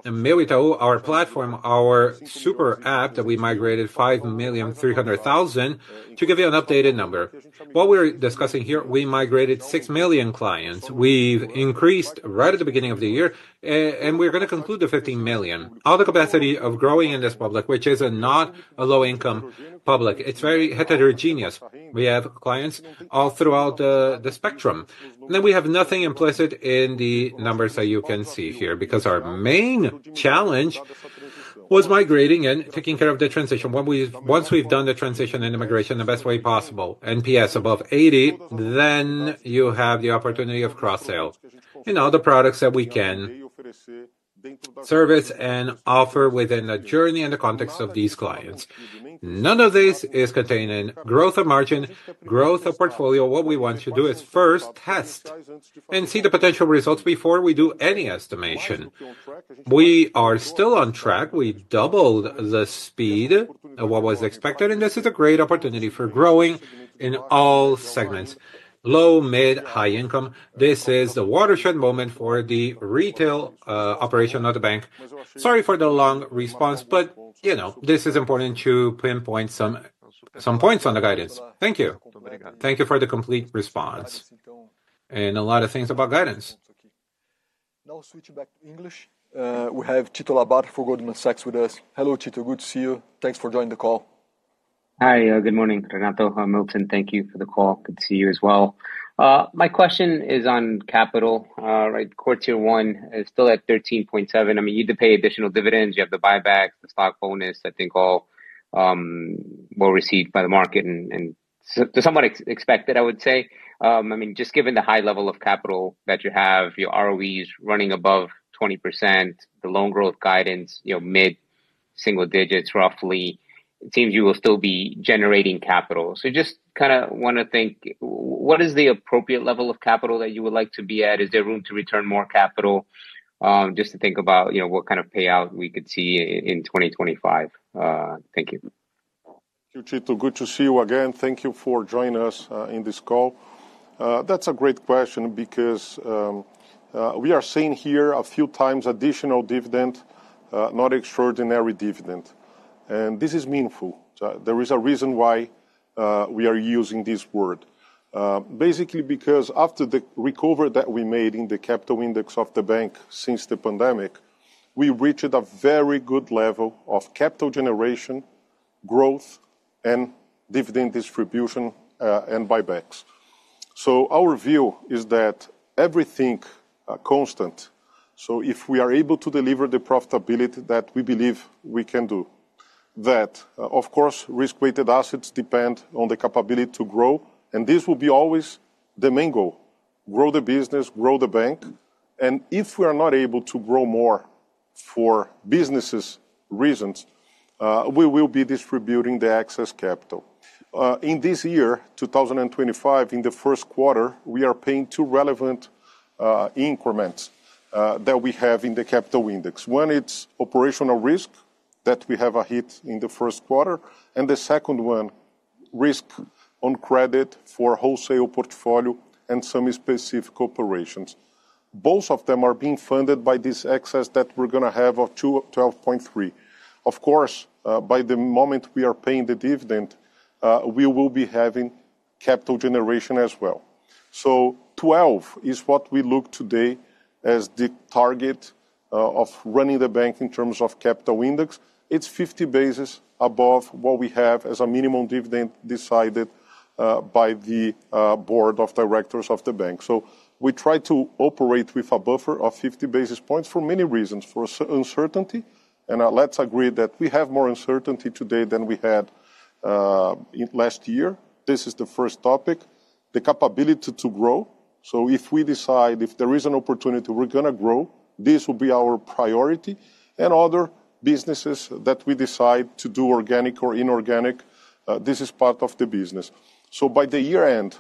is our platform, our super app that we migrated 5.3 million to give you an updated number. What we're discussing here, we migrated 6 million clients. We've increased right at the beginning of the year, and we're going to conclude the 15 million. All the capacity of growing in this public, which is not a low-income public. It's very heterogeneous. We have clients all throughout the spectrum, and then we have nothing implicit in the numbers that you can see here because our main challenge was migrating and taking care of the transition. Once we've done the transition and migration the best way possible, NPS above 80, then you have the opportunity of cross-sell and all the products that we can service and offer within the journey and the context of these clients. None of this is containing growth of margin, growth of portfolio. What we want to do is first test and see the potential results before we do any estimation. We are still on track. We doubled the speed of what was expected, and this is a great opportunity for growing in all segments: low, mid, high income. This is the watershed moment for the retail operation of the bank. Sorry for the long response, but you know this is important to pinpoint some points on the guidance. Thank you. Thank you for the complete response and a lot of things about guidance. We have Tito Labarta from Goldman Sachs with us. Hello, Tito. Good to see you. Thanks for joining the call. Hi, good morning, Renato, Milton. Thank you for the call. Good to see you as well. My question is on capital, right? Quarter one is still at 13.7%. I mean, you'd pay additional dividends. You have the buyback, the stock bonus. I think all will receive by the market and to somewhat expect that, I would say. I mean, just given the high level of capital that you have, your ROE running above 20%, the loan growth guidance, you know, mid single digits roughly, it seems you will still be generating capital. So just kind of want to think, what is the appropriate level of capital that you would like to be at? Is there room to return more capital? Just to think about what kind of payout we could see in 2025. Thank you. Good to see you again. Thank you for joining us in this call. That's a great question because we are seeing here a few times additional dividend, not extraordinary dividend. This is meaningful. There is a reason why we are using this word. Basically because after the recovery that we made in the capital index of the bank since the pandemic, we reached a very good level of capital generation, growth, and dividend distribution and buybacks, so our view is that everything is constant, so if we are able to deliver the profitability that we believe we can do, that of course risk-weighted assets depend on the capability to grow, and this will be always the main goal: grow the business, grow the bank, and if we are not able to grow more for business reasons, we will be distributing the excess capital. In this year, 2025, in the first quarter, we are paying two relevant increments that we have in the capital index. One is operational risk that we have a hit in the first quarter, and the second one is risk on credit for wholesale portfolio and some specific operations. Both of them are being funded by this excess that we're going to have of 12.3. Of course, by the time we are paying the dividend, we will be having capital generation as well, so 12 is what we look today as the target of running the bank in terms of capital index. It's 50 basis points above what we have as a minimum dividend decided by the board of directors of the bank, so we try to operate with a buffer of 50 basis points for many reasons, for uncertainty, and let's agree that we have more uncertainty today than we had last year. This is the first topic: the capability to grow, so if we decide there is an opportunity, we're going to grow. This will be our priority, and other businesses that we decide to do organic or inorganic, this is part of the business. So by the year end,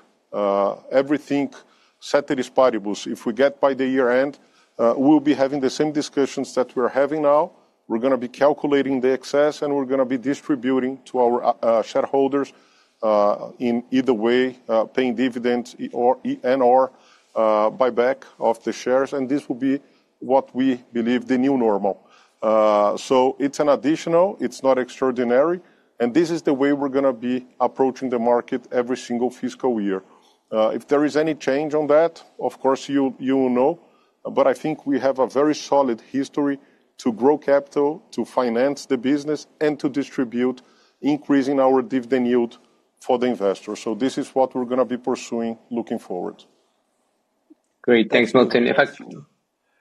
everything is set at its value. If we get by the year end, we'll be having the same discussions that we're having now. We're going to be calculating the excess, and we're going to be distributing to our shareholders in either way, paying dividends and/or buyback of the shares. And this will be what we believe the new normal. So it's an additional, it's not extraordinary. And this is the way we're going to be approaching the market every single fiscal year. If there is any change on that, of course you will know. But I think we have a very solid history to grow capital, to finance the business, and to distribute, increasing our dividend yield for the investor. So this is what we're going to be pursuing looking forward. Great. Thanks, Milton. Can I do a quick follow-up? Chegou agora. A próxima pergunta é do Thiago Batista, do UBS.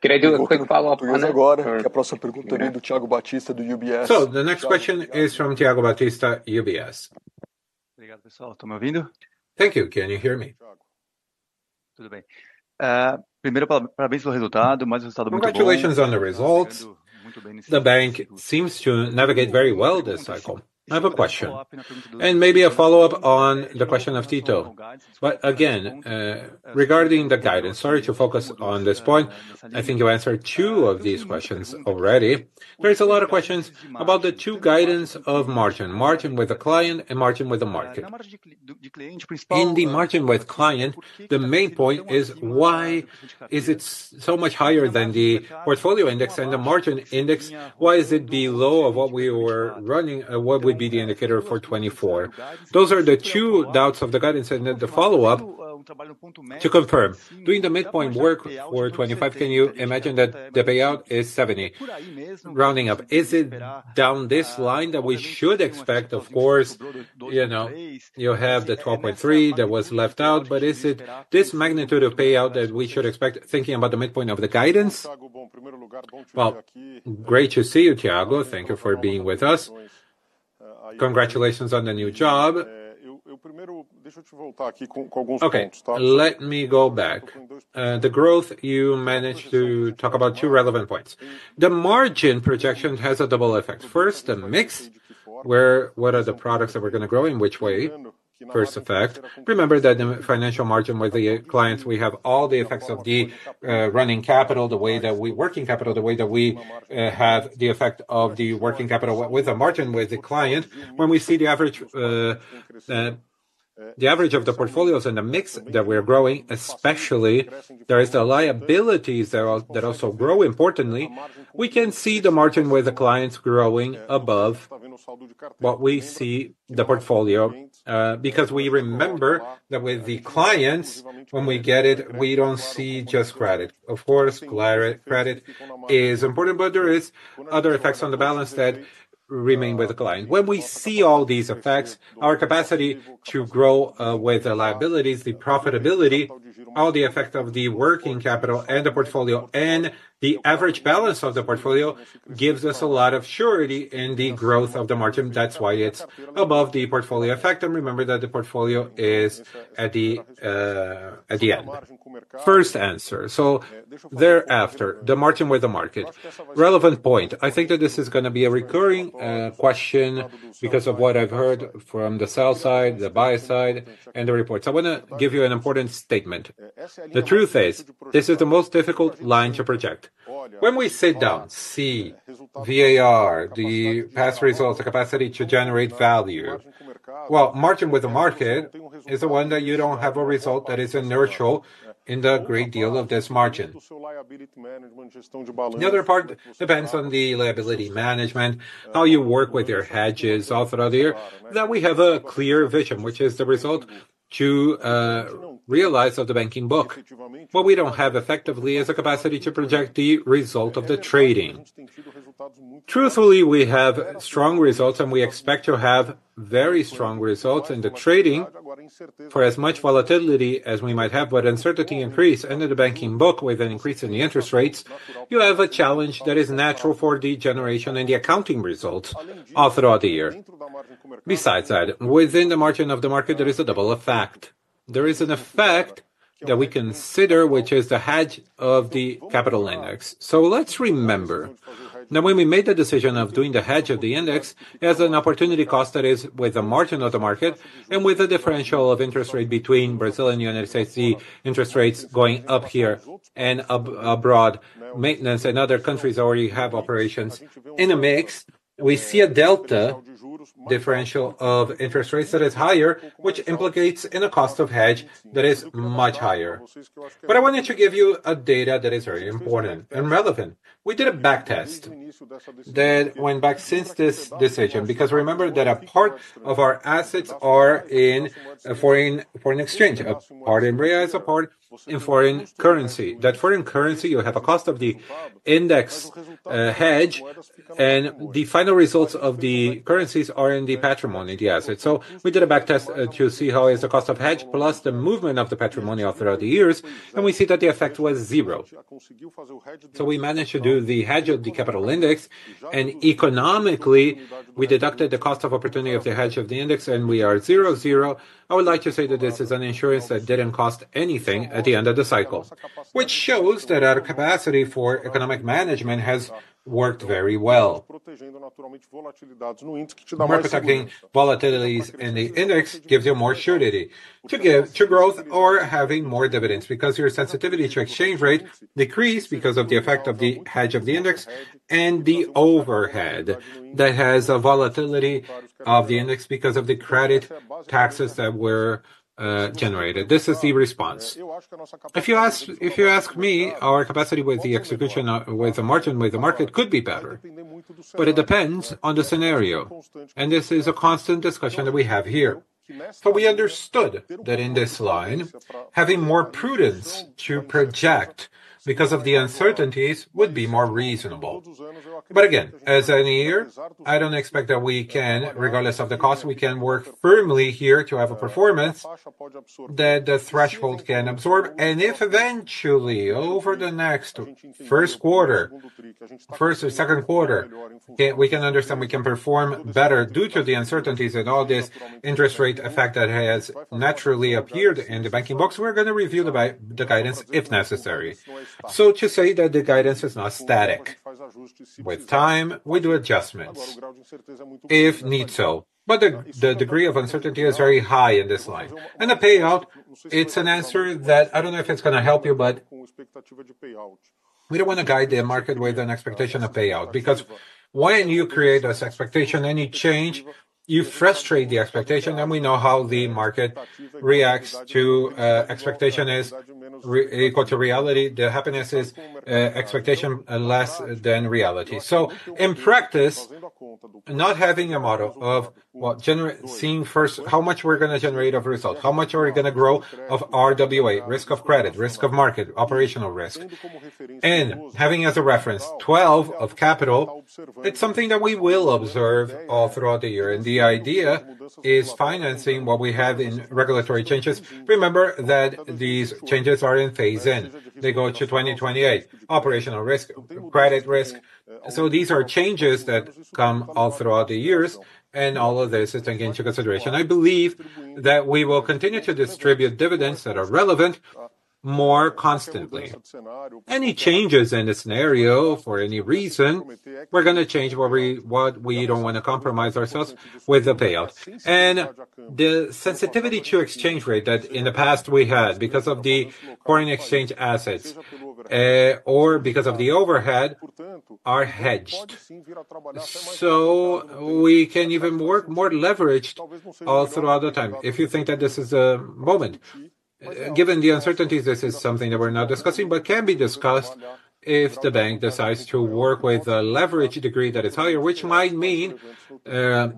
So the next question is from Thiago Batista, UBS. Obrigado, pessoal. Estão me ouvindo? Thank you. Can you hear me? Tudo bem. Primeiro, parabéns pelo resultado. Mais resultado muito bom. Congratulations on the results. The bank seems to navigate very well this cycle. I have a question. And maybe a follow-up on the question of Tito. Again, regarding the guidance, sorry to focus on this point. I think you answered two of these questions already. There are a lot of questions about the two guidance of margin: margin with the client and margin with the market. In the margin with client, the main point is why is it so much higher than the portfolio index and the margin index? Why is it below of what we were running? What would be the indicator for 24? Those are the two doubts of the guidance. And then the follow-up to confirm, doing the midpoint work for 25, can you imagine that the payout is 70%? Rounding up, is it down this line that we should expect? Of course, you know, you have the 12.3% that was left out, but is it this magnitude of payout that we should expect? Thinking about the midpoint of the guidance. Great to see you, Thiago. Thank you for being with us. Congratulations on the new job. Deixa eu te voltar aqui com alguns pontos. Okay. Let me go back. The growth you managed to talk about two relevant points. The margin projection has a double effect. First, the mix where what are the products that we're going to grow in which way? First effect. Remember that the financial margin with the clients, we have all the effects of the running capital, the way that we working capital, the way that we have the effect of the working capital with the margin with the client. When we see the average of the portfolios and the mix that we're growing, especially there is the liabilities that also grow importantly, we can see the margin with the clients growing above what we see the portfolio because we remember that with the clients, when we get it, we don't see just credit. Of course, credit is important, but there are other effects on the balance that remain with the client. When we see all these effects, our capacity to grow with the liabilities, the profitability, all the effect of the working capital and the portfolio and the average balance of the portfolio gives us a lot of surety in the growth of the margin. That's why it's above the portfolio effect. And remember that the portfolio is at the end. First answer. So thereafter, the margin with the market. Relevant point. I think that this is going to be a recurring question because of what I've heard from the sell side, the buy side, and the reports. I want to give you an important statement. The truth is, this is the most difficult line to project. When we sit down, see VAR, the past results, the capacity to generate value. Well, margin with the market is the one that you don't have a result that is inertial in the great deal of this margin. The other part depends on the liability management, how you work with your hedges, all that are there, that we have a clear vision, which is the result to realize of the banking book. What we don't have effectively is a capacity to project the result of the trading. Truthfully, we have strong results and we expect to have very strong results in the trading for as much volatility as we might have, but uncertainty increases and in the banking book with an increase in the interest rates, you have a challenge that is natural for the generation and the accounting results all throughout the year. Besides that, within the margin of the market, there is a double effect. There is an effect that we consider, which is the hedge of the capital index. So let's remember, now when we made the decision of doing the hedge of the index, it has an opportunity cost that is with the margin of the market and with the differential of interest rate between Brazil and the United States, the interest rates going up here and abroad, maintenance and other countries already have operations in a mix. We see a delta differential of interest rates that is higher, which implicates in a cost of hedge that is much higher. But I wanted to give you a data that is very important and relevant. We did a backtest that went back since this decision because remember that a part of our assets are in a foreign exchange, a part in Real and a part in foreign currency. That foreign currency, you have a cost of the index hedge and the final results of the currencies are in the patrimony, the assets. So we did a backtest to see how is the cost of hedge plus the movement of the patrimony throughout the years and we see that the effect was zero. So we managed to do the hedge of the capital index and economically we deducted the cost of opportunity of the hedge of the index and we are zero, zero. I would like to say that this is an insurance that didn't cost anything at the end of the cycle, which shows that our capacity for economic management has worked very well. Representing volatilities in the index gives you more surety to growth or having more dividends because your sensitivity to exchange rate decreased because of the effect of the hedge of the index and the overhead that has a volatility of the index because of the credit taxes that were generated. This is the response. If you ask me, our capacity with the execution with the margin with the market could be better, but it depends on the scenario and this is a constant discussion that we have here. So we understood that in this line, having more prudence to project because of the uncertainties would be more reasonable. But again, as an IR, I don't expect that we can, regardless of the cost, we can work firmly here to have a performance that the threshold can absorb. If eventually over the next first quarter, first or second quarter, we can understand we can perform better due to the uncertainties and all this interest rate effect that has naturally appeared in the banking books, we're going to review the guidance if necessary. To say that the guidance is not static. With time, we do adjustments if need so. The degree of uncertainty is very high in this line. The payout, it's an answer that I don't know if it's going to help you, but we don't want to guide the market with an expectation of payout because when you create this expectation and you change, you frustrate the expectation and we know how the market reacts to expectation is equal to reality. The happiness is expectation less than reality. In practice, not having a model of what generates, seeing first how much we're going to generate of result, how much are we going to grow of RWA, credit risk, market risk, operational risk. And having as a reference 12% of capital, it's something that we will observe all throughout the year. And the idea is following what we have in regulatory changes. Remember that these changes are phased in. They go to 2028, operational risk, credit risk. So these are changes that come all throughout the years and all of this is taken into consideration. I believe that we will continue to distribute dividends that are relevant more constantly. Any changes in the scenario for any reason, we're going to change. What we don't want to compromise ourselves with the payout. The sensitivity to exchange rate that in the past we had because of the foreign exchange assets or because of the overhead are hedged. So we can even work more leveraged all throughout the time. If you think that this is a moment, given the uncertainties, this is something that we're not discussing, but can be discussed if the bank decides to work with a leverage degree that is higher, which might mean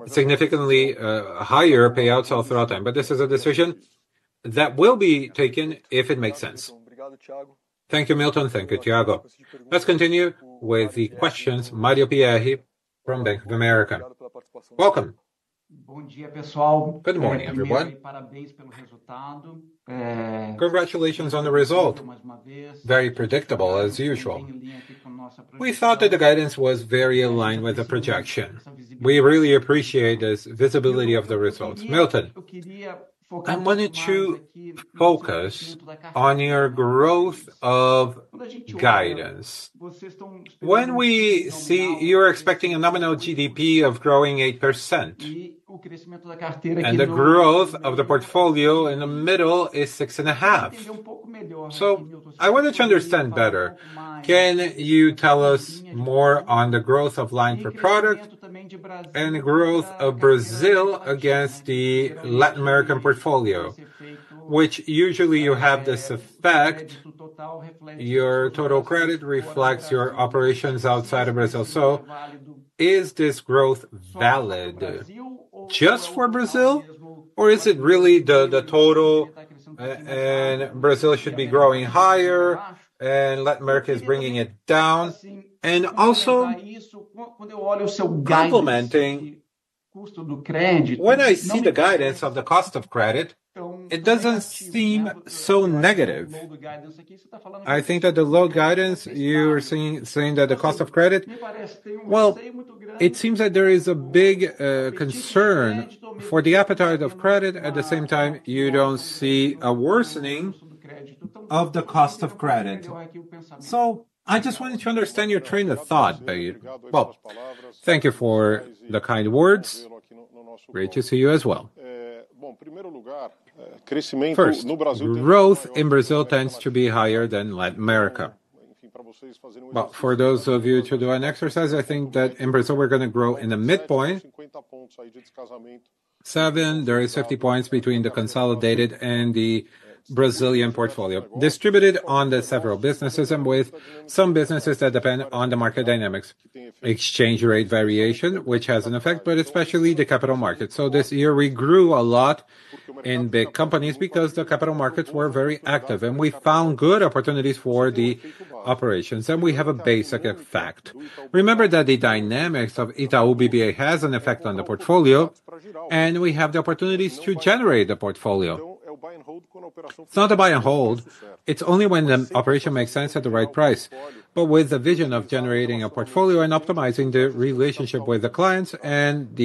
significantly higher payouts all throughout time. But this is a decision that will be taken if it makes sense. Thank you, Milton. Thank you, Thiago. Let's continue with the questions. Mario Pierry from Bank of America. Welcome. Bom dia, pessoal. Good morning, everyone. Congratulations on the result. Very predictable, as usual. We thought that the guidance was very in line with the projection. We really appreciate this visibility of the results. Milton, I wanted to focus on your growth of guidance. When we see you're expecting a nominal GDP of growing 8% and the growth of the portfolio in the middle is 6.5%. So I wanted to understand better. Can you tell us more on the growth of line for product and growth of Brazil against the Latin American portfolio, which usually you have this effect? Your total credit reflects your operations outside of Brazil. So is this growth valid just for Brazil, or is it really the total and Brazil should be growing higher and Latin America is bringing it down? And also, when I see the guidance of the cost of credit, it doesn't seem so negative. I think that the low guidance you're saying that the cost of credit, well, it seems that there is a big concern for the appetite of credit. At the same time, you don't see a worsening of the cost of credit, so I just wanted to understand your train of thought, well, thank you for the kind words. Great to see you as well. Growth in Brazil tends to be higher than Latin America, but for those of you to do an exercise, I think that in Brazil we're going to grow in the midpoint. Seven, there are 50 points between the consolidated and the Brazilian portfolio distributed on the several businesses and with some businesses that depend on the market dynamics, exchange rate variation, which has an effect, but especially the capital markets, so this year we grew a lot in big companies because the capital markets were very active and we found good opportunities for the operations and we have a basic effect. Remember that the dynamics of Itaú BBA has an effect on the portfolio and we have the opportunities to generate the portfolio. It's not a buy and hold. It's only when the operation makes sense at the right price, but with the vision of generating a portfolio and optimizing the relationship with the clients and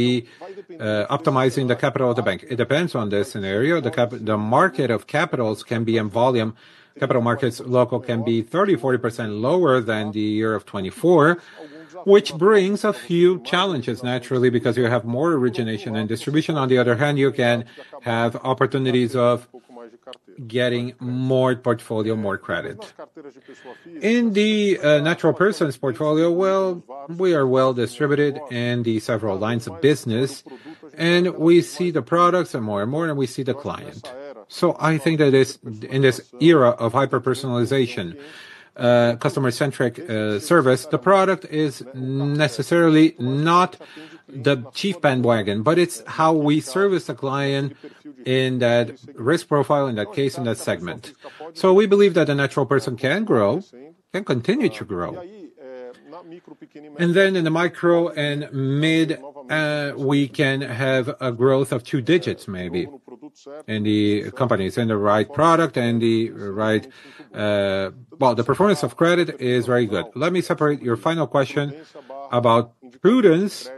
optimizing the capital of the bank. It depends on this scenario. The market of capitals can be in volume. Capital markets local can be 30%-40% lower than the year of 2024, which brings a few challenges naturally because you have more origination and distribution. On the other hand, you can have opportunities of getting more portfolio, more credit. In the natural person's portfolio, well, we are well distributed in the several lines of business and we see the products and more and more and we see the client. So I think that in this era of hyper-personalization, customer-centric service, the product is necessarily not the chief bandwagon, but it's how we service the client in that risk profile, in that case, in that segment. So we believe that a natural person can grow, can continue to grow. And then in the micro and mid, we can have a growth of two digits maybe in the companies and the right product and the right, well, the performance of credit is very good. Let me separate your final question about prudence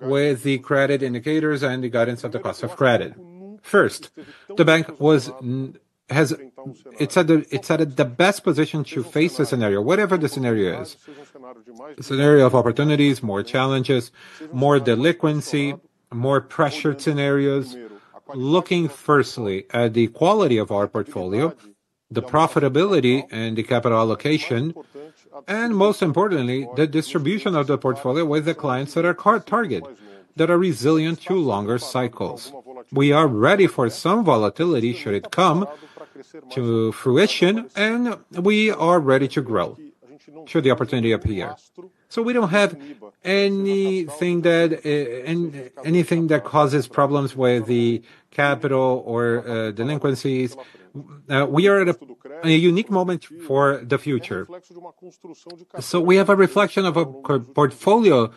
with the credit indicators and the guidance of the cost of credit. First, the bank was, it's at the best position to face the scenario, whatever the scenario is. Scenario of opportunities, more challenges, more delinquency, more pressured scenarios, looking firstly at the quality of our portfolio, the profitability and the capital allocation, and most importantly, the distribution of the portfolio with the clients that are core target, that are resilient to longer cycles. We are ready for some volatility should it come to fruition and we are ready to grow should the opportunity appear, so we don't have anything that causes problems with the capital or delinquencies. We are at a unique moment for the future, so we have a reflection of a portfolio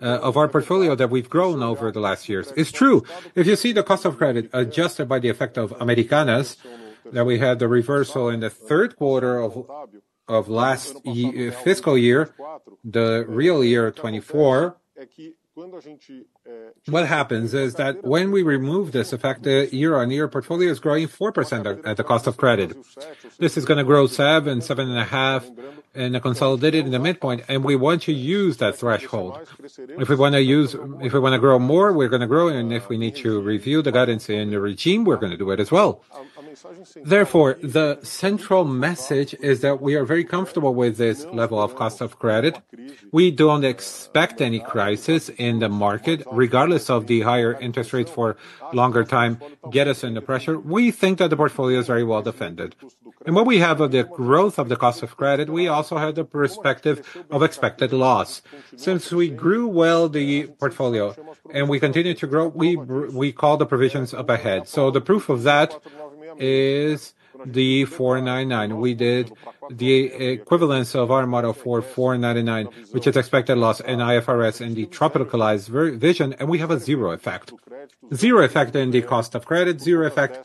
of our portfolio that we've grown over the last years. It's true. If you see the cost of credit adjusted by the effect of Americanas, that we had the reversal in the third quarter of last fiscal year, the real year 2024, what happens is that when we remove this effect, the year-on-year portfolio is growing 4% at the cost of credit. This is going to grow 7%-7.5% in a consolidated in the midpoint, and we want to use that threshold. If we want to use, if we want to grow more, we're going to grow, and if we need to review the guidance in the regime, we're going to do it as well. Therefore, the central message is that we are very comfortable with this level of cost of credit. We don't expect any crisis in the market, regardless of the higher interest rates for longer time get us in the pressure. We think that the portfolio is very well defended. And what we have of the growth of the cost of credit, we also have the perspective of expected loss. Since we grew well the portfolio and we continue to grow, we call the provisions up ahead. So the proof of that is the 499. We did the equivalence of our model for 499, which is expected loss and IFRS and the tropicalized vision, and we have a zero effect. Zero effect in the cost of credit, zero effect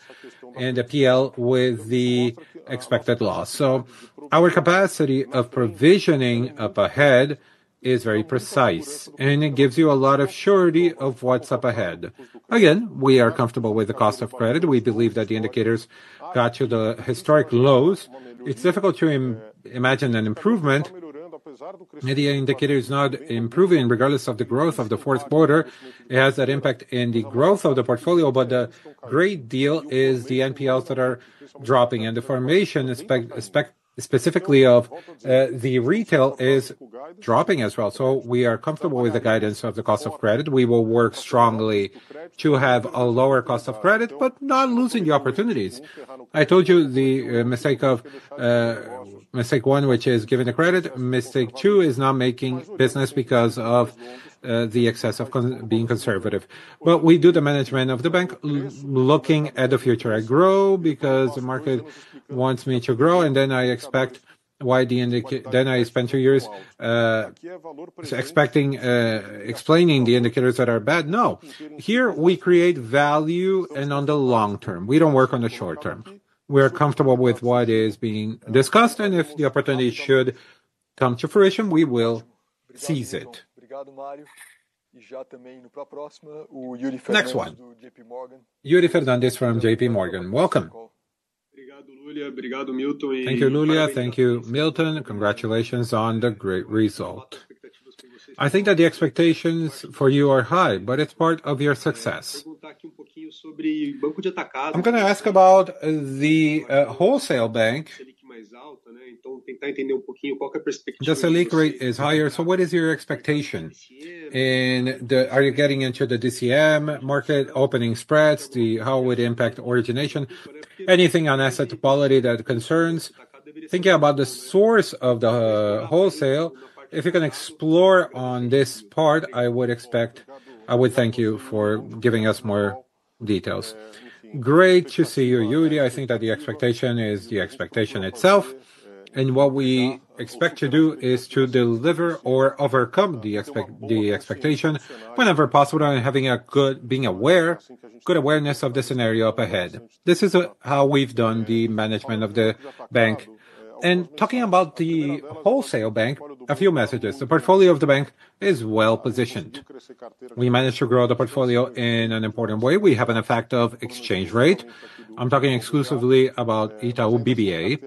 in the PL with the expected loss. So our capacity of provisioning up ahead is very precise, and it gives you a lot of surety of what's up ahead. Again, we are comfortable with the cost of credit. We believe that the indicators got to the historic lows. It's difficult to imagine an improvement. The indicator is not improving regardless of the growth of the fourth quarter. It has that impact in the growth of the portfolio, but the great deal is the NPLs that are dropping, and the formation specifically of the retail is dropping as well. So we are comfortable with the guidance of the cost of credit. We will work strongly to have a lower cost of credit, but not losing the opportunities. I told you the mistake of mistake one, which is giving the credit. Mistake two is not making business because of the excess of being conservative. But we do the management of the bank looking at the future. I grow because the market wants me to grow, and then I expect why. Then I spend two years expecting explaining the indicators that are bad. No, here we create value and on the long term. We don't work on the short term. We are comfortable with what is being discussed, and if the opportunity should come to fruition, we will seize it. Next one. Yuri Fernandes from JP Morgan. Welcome. Thank you, Yuri. Thank you, Milton. Congratulations on the great result. I think that the expectations for you are high, but it's part of your success. I'm going to ask about the wholesale bank. Just the Selic rate is higher. So what is your expectation? And are you getting into the DCM market opening spreads? How would it impact origination? Anything on asset quality that concerns? Thinking about the source of the wholesale, if you can explore on this part, I would expect, I would thank you for giving us more details. Great to see you, Yuri. I think that the expectation is the expectation itself. What we expect to do is to deliver or overcome the expectation whenever possible and having a good being aware, good awareness of the scenario up ahead. This is how we've done the management of the bank. Talking about the wholesale bank, a few messages. The portfolio of the bank is well positioned. We managed to grow the portfolio in an important way. We have an effect of exchange rate. I'm talking exclusively about Itaú BBA,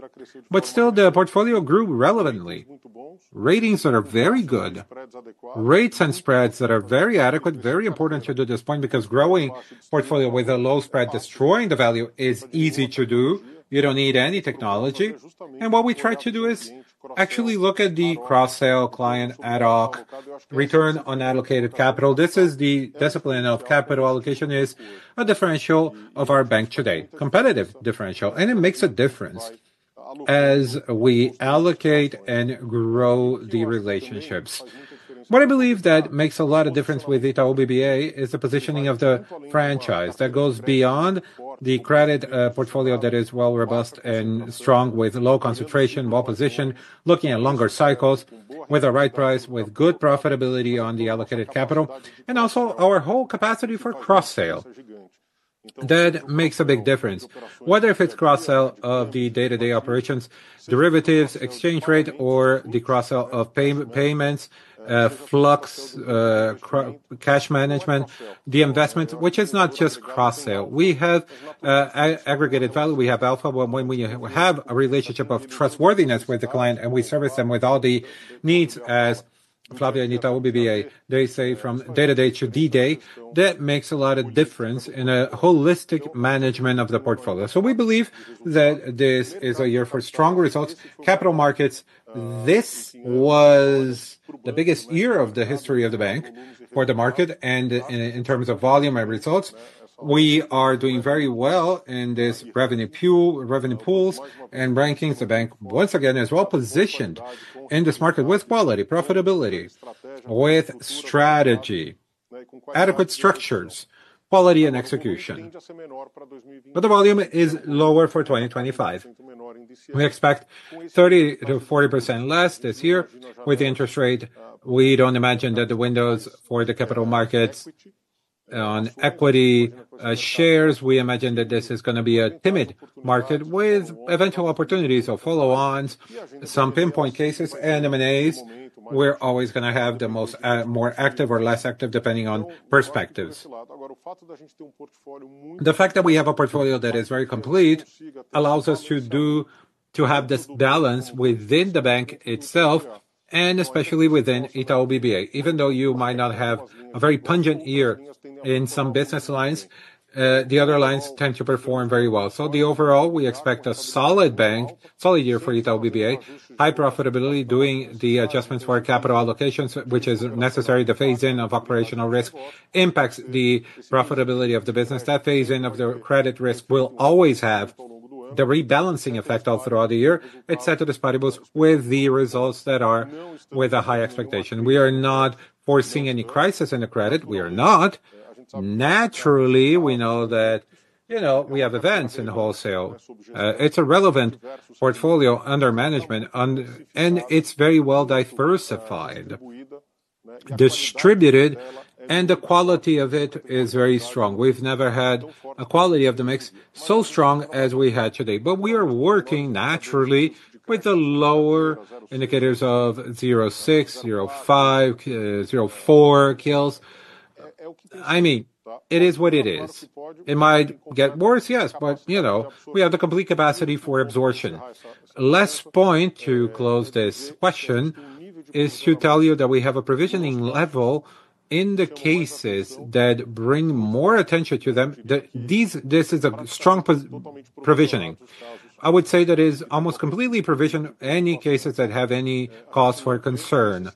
but still the portfolio grew relevantly. Ratings that are very good, rates and spreads that are very adequate, very important to do this point because growing portfolio with a low spread destroying the value is easy to do. You don't need any technology. What we try to do is actually look at the cross-sell client ad hoc return on allocated capital. This is the discipline of capital allocation is a differential of our bank today, competitive differential, and it makes a difference as we allocate and grow the relationships. What I believe that makes a lot of difference with Itaú BBA is the positioning of the franchise that goes beyond the credit portfolio that is well robust and strong with low concentration, well positioned, looking at longer cycles with a right price, with good profitability on the allocated capital, and also our whole capacity for cross-sale. That makes a big difference. Whether if it's cross-sale of the day-to-day operations, derivatives, exchange rate, or the cross-sale of payments, flux, cash management, the investment, which is not just cross-sale. We have aggregated value. We have alpha. When we have a relationship of trustworthiness with the client and we service them with all the needs as Flávio and Itaú BBA, they say from day-to-day to D-day, that makes a lot of difference in a holistic management of the portfolio. So we believe that this is a year for strong results, capital markets. This was the biggest year of the history of the bank for the market and in terms of volume and results. We are doing very well in this revenue pool and rankings. The bank, once again, is well positioned in this market with quality, profitability, with strategy, adequate structures, quality, and execution. But the volume is lower for 2025. We expect 30%-40% less this year with the interest rate. We don't imagine that the windows for the capital markets on equity shares. We imagine that this is going to be a timid market with eventual opportunities of follow-ons, some pinpoint cases, and M&As. We're always going to have more or less active depending on perspectives. The fact that we have a portfolio that is very complete allows us to have this balance within the bank itself and especially within Itaú BBA. Even though you might not have a very pungent year in some business lines, the other lines tend to perform very well. So overall, we expect a solid bank, solid year for Itaú BBA, high profitability, doing the adjustments for capital allocations, which is necessary. The phase-in of operational risk impacts the profitability of the business. That phase-in of the credit risk will always have the rebalancing effect all throughout the year. It's set to the standards with the results that are with a high expectation. We are not forcing any crisis in the credit. We are not. Naturally, we know that, you know, we have events in the wholesale. It's a relevant portfolio under management, and it's very well diversified, distributed, and the quality of it is very strong. We've never had a quality of the mix so strong as we had today. But we are working naturally with the lower indicators of 0.6, 0.5, 0.4 kills. I mean, it is what it is. It might get worse, yes, but you know, we have the complete capacity for absorption. Last point to close this question is to tell you that we have a provisioning level in the cases that bring more attention to them. This is a strong provisioning. I would say that it is almost completely provisioned any cases that have any cause for concern.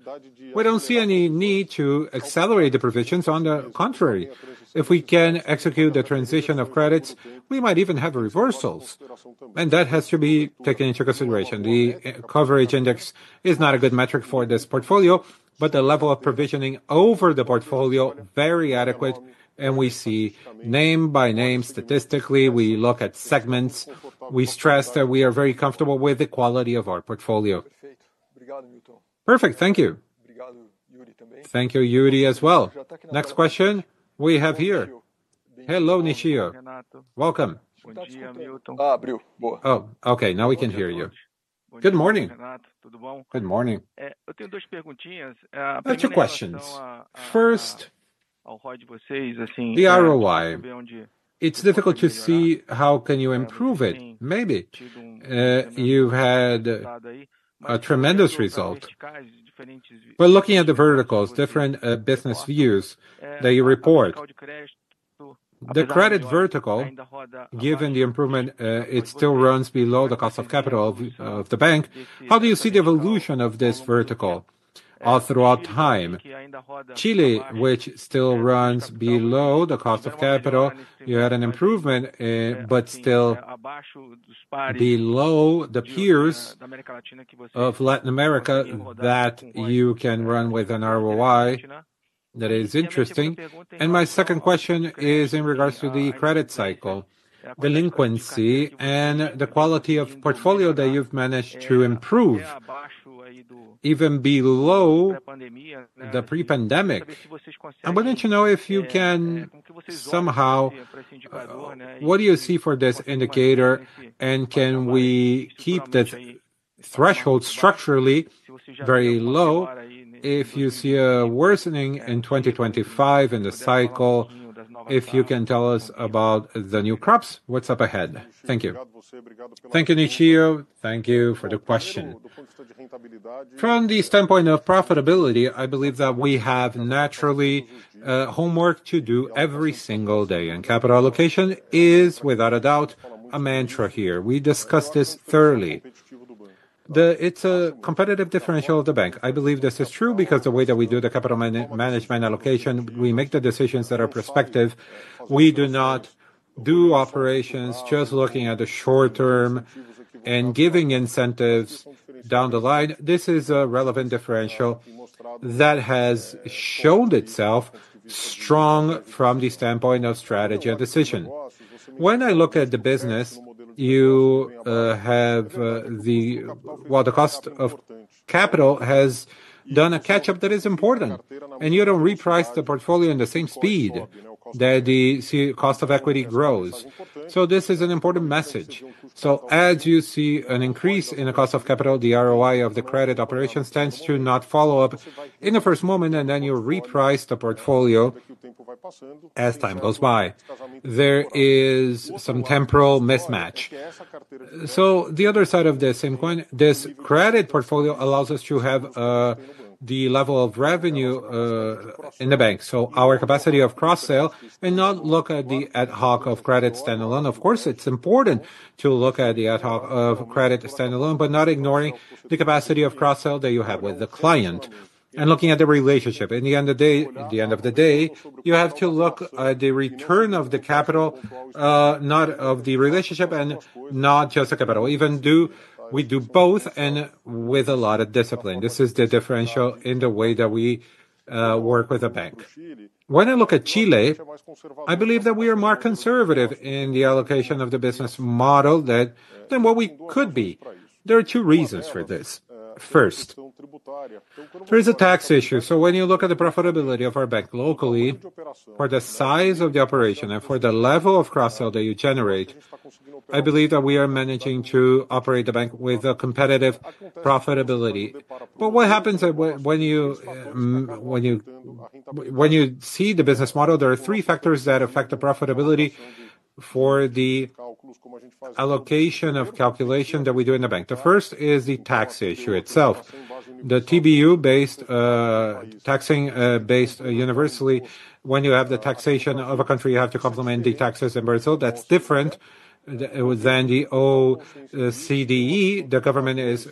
We don't see any need to accelerate the provisions. On the contrary, if we can execute the transition of credits, we might even have reversals. And that has to be taken into consideration. The coverage index is not a good metric for this portfolio, but the level of provisioning over the portfolio is very adequate. And we see name by name statistically. We look at segments. We stress that we are very comfortable with the quality of our portfolio. Perfect. Thank you. Thank you, Yuri, as well. Next question we have here. Hello, Nishio. Welcome. Oh, okay. Now we can hear you. Good morning. Good morning. Better questions. First, the ROI. It's difficult to see how can you improve it. Maybe you've had a tremendous result. We're looking at the verticals, different business views that you report. The credit vertical, given the improvement, it still runs below the cost of capital of the bank. How do you see the evolution of this vertical throughout time? Chile, which still runs below the cost of capital, you had an improvement, but still below the peers of Latin America that you can run with an ROI that is interesting. And my second question is in regards to the credit cycle, delinquency, and the quality of portfolio that you've managed to improve even below the pre-pandemic. I want to know if you can somehow, what do you see for this indicator, and can we keep the threshold structurally very low if you see a worsening in 2025 in the cycle? If you can tell us about the new cohorts, what's up ahead? Thank you. Thank you, Nishio. Thank you for the question. From the standpoint of profitability, I believe that we have naturally homework to do every single day. And capital allocation is, without a doubt, a mantra here. We discussed this thoroughly. It's a competitive differential of the bank. I believe this is true because the way that we do the capital management allocation, we make the decisions that are prospective. We do not do operations just looking at the short term and giving incentives down the line. This is a relevant differential that has shown itself strong from the standpoint of strategy and decision. When I look at the business, you have the, well, the cost of capital has done a catch-up that is important. And you don't reprice the portfolio in the same speed that the cost of equity grows. So this is an important message. So as you see an increase in the cost of capital, the ROI of the credit operation tends to not follow up in the first moment, and then you reprice the portfolio as time goes by. There is some temporal mismatch. So the other side of the same coin, this credit portfolio allows us to have the level of revenue in the bank. So our capacity of cross-sale and not look at the ad hoc of credit standalone. Of course, it's important to look at the ad hoc of credit standalone, but not ignoring the capacity of cross-sale that you have with the client. And looking at the relationship, in the end of the day, at the end of the day, you have to look at the return of the capital, not of the relationship, and not just the capital. And we do both and with a lot of discipline. This is the differential in the way that we work with the bank. When I look at Chile, I believe that we are more conservative in the allocation of the business model than what we could be. There are two reasons for this. First, there is a tax issue. So when you look at the profitability of our bank locally, for the size of the operation and for the level of cross-sale that you generate, I believe that we are managing to operate the bank with a competitive profitability. But what happens when you see the business model? There are three factors that affect the profitability for the allocation of calculation that we do in the bank. The first is the tax issue itself. The TBU-based taxation based universally, when you have the taxation of a country, you have to complement the taxes in Brazil. That's different than the OECD. The government is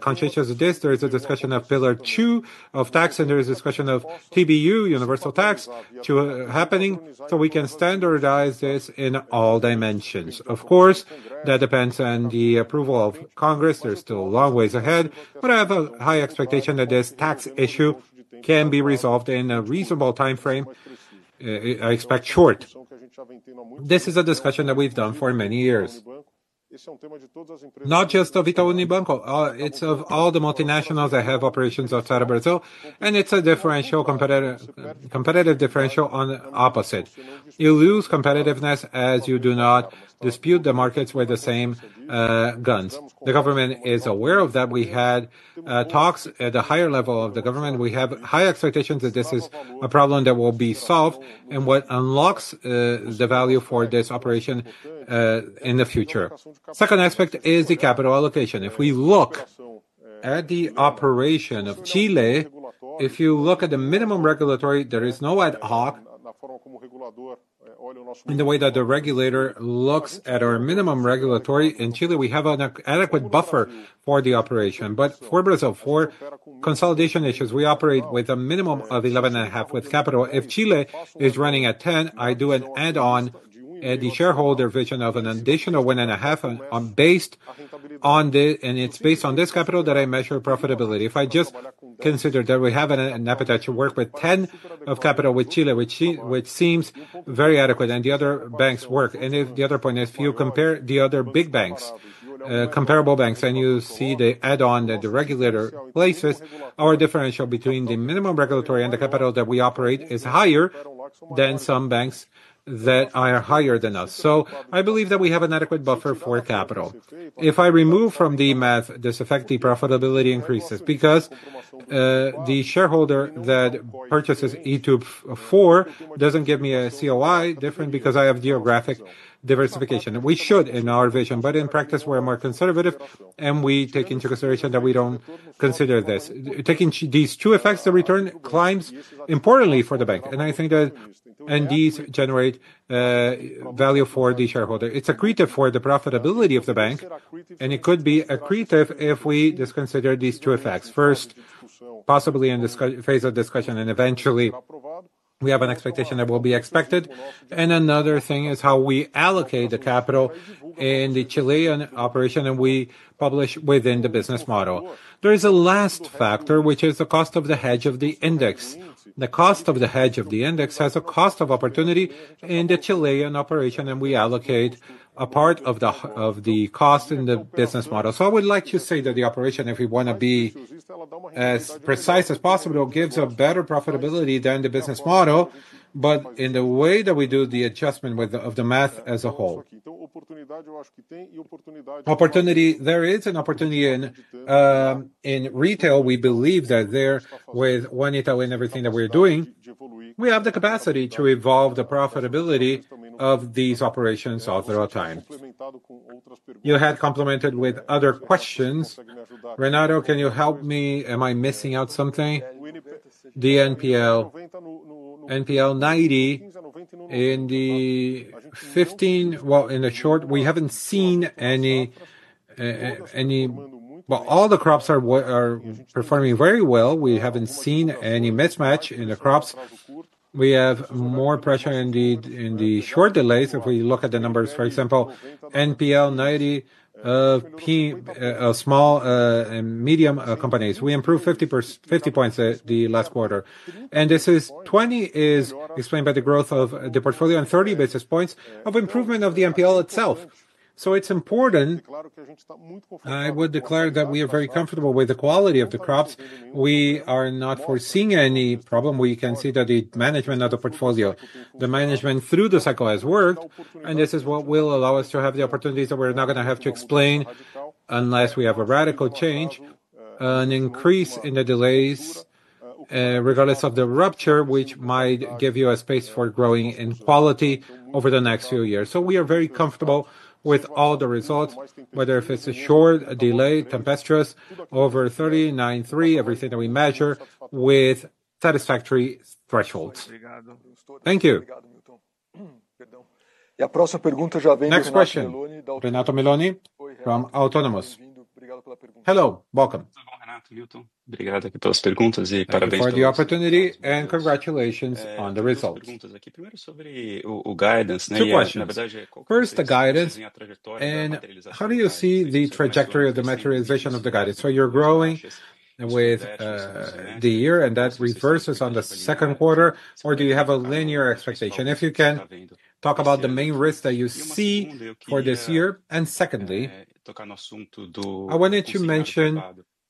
conscious of this. There is a discussion of pillar two of tax, and there is a discussion of TBU, universal tax, happening. So we can standardize this in all dimensions. Of course, that depends on the approval of Congress. There's still a long way ahead, but I have a high expectation that this tax issue can be resolved in a reasonable time frame. I expect short. This is a discussion that we've done for many years. Not just of Itaú Unibanco, it's of all the multinationals that have operations outside of Brazil, and it's a differential, competitive differential on opposite. You lose competitiveness as you do not dispute the markets with the same guns. The government is aware of that. We had talks at the higher level of the government. We have high expectations that this is a problem that will be solved and what unlocks the value for this operation in the future. Second aspect is the capital allocation. If we look at the operation of Chile, if you look at the minimum regulatory, there is no ad hoc in the way that the regulator looks at our minimum regulatory. In Chile, we have an adequate buffer for the operation, but for Brazil, for consolidation issues, we operate with a minimum of 11.5 with capital. If Chile is running at 10, I do an add-on at the shareholder vision of an additional 1.5 based on this, and it's based on this capital that I measure profitability. If I just consider that we have an appetite to work with 10% of capital with Chile, which seems very adequate, and the other banks work, and the other point is, if you compare the other big banks, comparable banks, and you see the add-on that the regulator places, our differential between the minimum regulatory and the capital that we operate is higher than some banks that are higher than us. So I believe that we have an adequate buffer for capital. If I remove from the math, this affects the profitability increases because the shareholder that purchases 2024 doesn't give me a ROE different because I have geographic diversification. We should, in our vision, but in practice, we're more conservative, and we take into consideration that we don't consider this. Taking these two effects, the return climbs importantly for the bank, and I think that these generate value for the shareholder. It's accretive for the profitability of the bank, and it could be accretive if we disconsider these two effects. First, possibly in this phase of discussion, and eventually, we have an expectation that will be expected and another thing is how we allocate the capital in the Chilean operation and we publish within the business model. There is a last factor, which is the cost of the hedge of the index. The cost of the hedge of the index has a cost of opportunity in the Chilean operation, and we allocate a part of the cost in the business model. So, I would like to say that the operation, if we want to be as precise as possible, gives a better profitability than the business model, but in the way that we do the adjustment of the math as a whole. Opportunity there is an opportunity in retail. We believe that there with One Itaú and everything that we're doing, we have the capacity to evolve the profitability of these operations all the time. You had complemented with other questions. Renato, can you help me? Am I missing out something? The NPL, NPL 90 in the 15, well, in the short, we haven't seen any, but all the cohorts are performing very well. We haven't seen any mismatch in the cohorts. We have more pressure indeed in the short delays. If we look at the numbers, for example, NPL 90, small and medium companies, we improved 50 points the last quarter. And the 20 is explained by the growth of the portfolio and 30 basis points of improvement of the NPL itself. So it's important. I would declare that we are very comfortable with the quality of the credits. We are not foreseeing any problem. We can see that the management of the portfolio, the management through the cycle has worked, and this is what will allow us to have the opportunities that we're not going to have to explain unless we have a radical change, an increase in the delays, regardless of the rupture, which might give you a space for growing in quality over the next few years. So we are very comfortable with all the results, whether it's a short delay, 90 days past due over 3.93, everything that we measure with satisfactory thresholds. Thank you. Next question. Renato Meloni from Autonomous. Hello, welcome. Obrigado aqui pelas perguntas e parabéns for the opportunity and congratulations on the results. First, the guidance, and how do you see the trajectory of the materialization of the guidance? So you're growing with the year, and that reverses on the second quarter, or do you have a linear expectation? If you can talk about the main risks that you see for this year. And secondly, I wanted to mention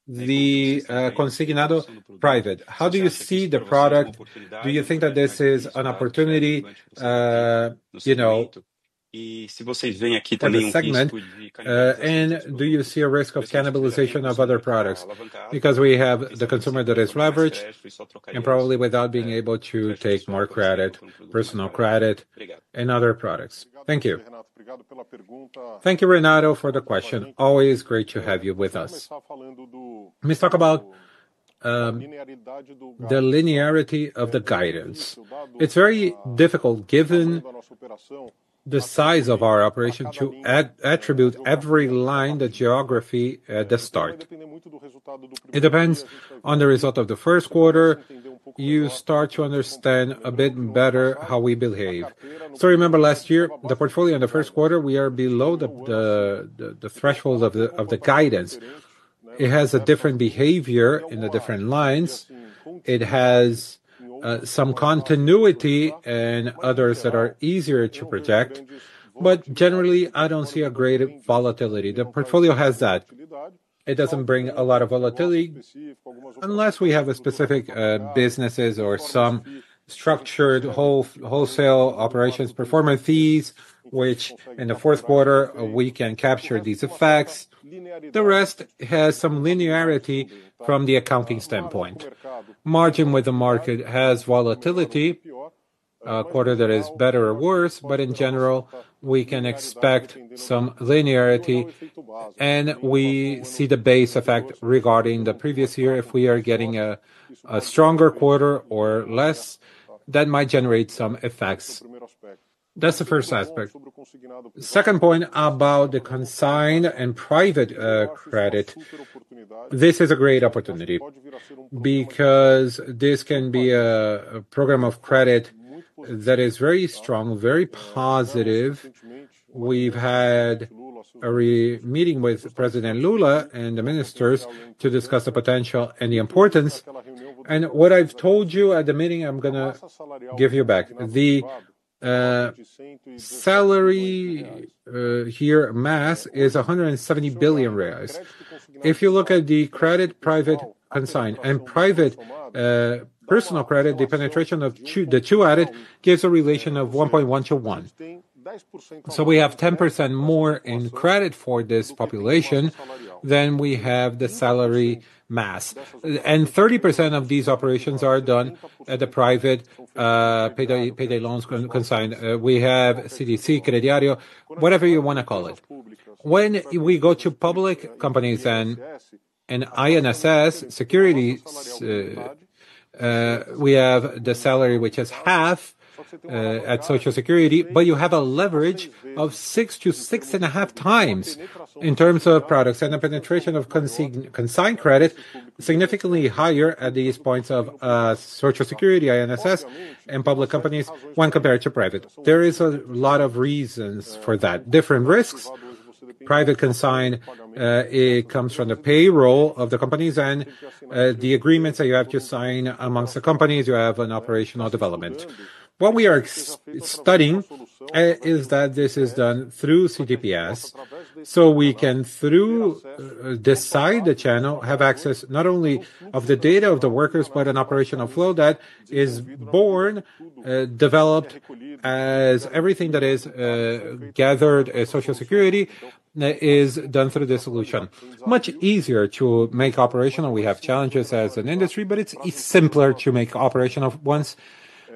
the Consignado Privado. How do you see the product? Do you think that this is an opportunity in this segment? And do you see a risk of cannibalization of other products? Because we have the consumer that is leveraged and probably without being able to take more credit, personal credit, and other products. Thank you. Thank you, Renato, for the question. Always great to have you with us. Let me talk about the linearity of the guidance. It's very difficult given the size of our operation to attribute every line by geography at the start. It depends on the result of the first quarter. You start to understand a bit better how we behave. So remember last year, the portfolio in the first quarter, we are below the threshold of the guidance. It has a different behavior in the different lines. It has some continuity and others that are easier to project. But generally, I don't see a great volatility. The portfolio has that. It doesn't bring a lot of volatility unless we have specific businesses or some structured wholesale operations performance fees, which in the fourth quarter, we can capture these effects. The rest has some linearity from the accounting standpoint. Margin with the market has volatility, a quarter that is better or worse, but in general, we can expect some linearity, and we see the base effect regarding the previous year. If we are getting a stronger quarter or less, that might generate some effects. That's the first aspect. Second point about the consigned and private credit. This is a great opportunity because this can be a program of credit that is very strong, very positive. We've had a meeting with President Lula and the ministers to discuss the potential and the importance. And what I've told you at the meeting, I'm going to give you back. The salary here, mass, is 170 billion reais. If you look at the credit private consigned and private personal credit, the penetration of the two added gives a relation of 1.1 to 1. We have 10% more in credit for this population than we have the salary mass. 30% of these operations are done at the private consignado loans. We have CDC, crediário, whatever you want to call it. When we go to public companies and INSS securities, we have the salary, which is half at Social Security, but you have a leverage of six to six and a half times in terms of products. The penetration of consigned credit is significantly higher at these points of Social Security, INSS, and public companies when compared to private. There is a lot of reasons for that. Different risks. Private consigned, it comes from the payroll of the companies and the agreements that you have to sign among the companies. You have an operational development. What we are studying is that this is done through CTPS. So we can, through this side, the channel, have access not only to the data of the workers, but an operational flow that is born, developed as everything that is gathered. Social Security is done through this solution. Much easier to make operational. We have challenges as an industry, but it's simpler to make operational once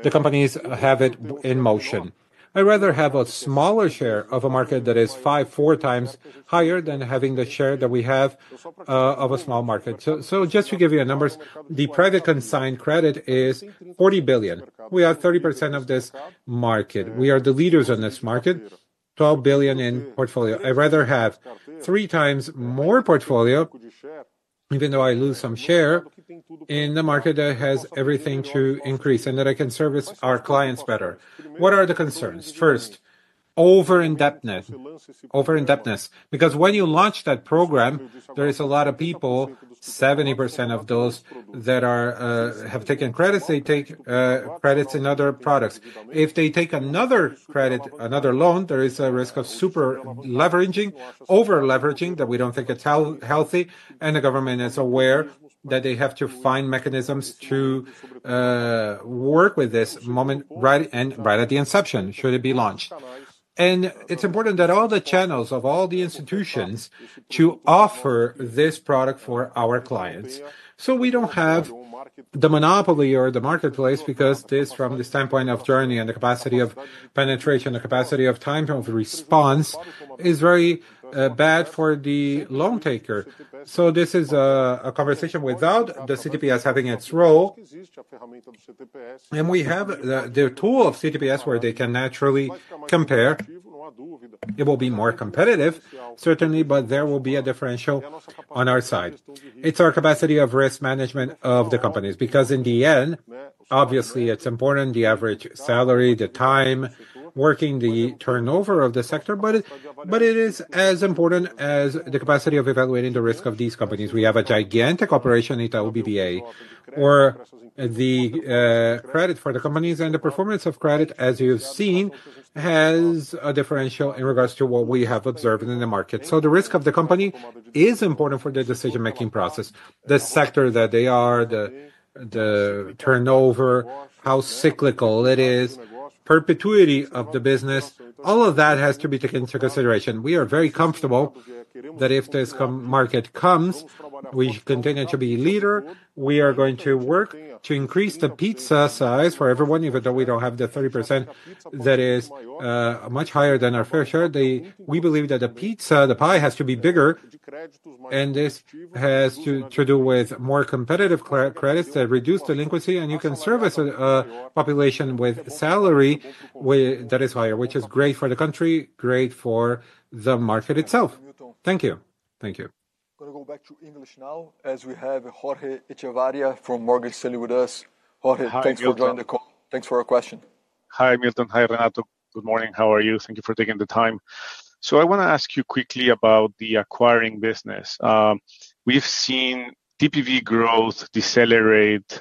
the companies have it in motion. I rather have a smaller share of a market that is five, four times higher than having the share that we have of a small market. So just to give you numbers, the private consigned credit is 40 billion. We have 30% of this market. We are the leaders on this market, 12 billion in portfolio. I rather have three times more portfolio, even though I lose some share in the market that has everything to increase and that I can service our clients better. What are the concerns? First, over-indebtedness. Because when you launch that program, there is a lot of people, 70% of those that have taken credits, they take credits in other products. If they take another credit, another loan, there is a risk of super leveraging, over-leveraging that we don't think it's healthy, and the government is aware that they have to find mechanisms to work with this moment right at the inception, should it be launched, and it's important that all the channels of all the institutions offer this product for our clients, so we don't have the monopoly or the marketplace because this, from the standpoint of journey and the capacity of penetration, the capacity of time of response, is very bad for the loan taker, so this is a conversation without the CTPS having its role. We have the tool of CTPS where they can naturally compare. It will be more competitive, certainly, but there will be a differential on our side. It's our capacity of risk management of the companies because in the end, obviously, it's important, the average salary, the time working, the turnover of the sector, but it is as important as the capacity of evaluating the risk of these companies. We have a gigantic operation in Itaú BBA, or the credit for the companies and the performance of credit, as you've seen, has a differential in regards to what we have observed in the market. So the risk of the company is important for the decision-making process. The sector that they are, the turnover, how cyclical it is, perpetuity of the business, all of that has to be taken into consideration. We are very comfortable that if this market comes, we continue to be a leader. We are going to work to increase the pizza size for everyone, even though we don't have the 30% that is much higher than our fair share. We believe that the pizza, the pie has to be bigger, and this has to do with more competitive credits that reduce delinquency, and you can service a population with salary that is higher, which is great for the country, great for the market itself. Thank you. Thank you. Going to go back to English now as we have Jorge Kuri from Morgan Stanley with us. Jorge, thanks for joining the call. Thanks for your question. Hi, Milton. Hi, Renato. Good morning. How are you? Thank you for taking the time. So I want to ask you quickly about the acquiring business. We've seen TPV growth decelerate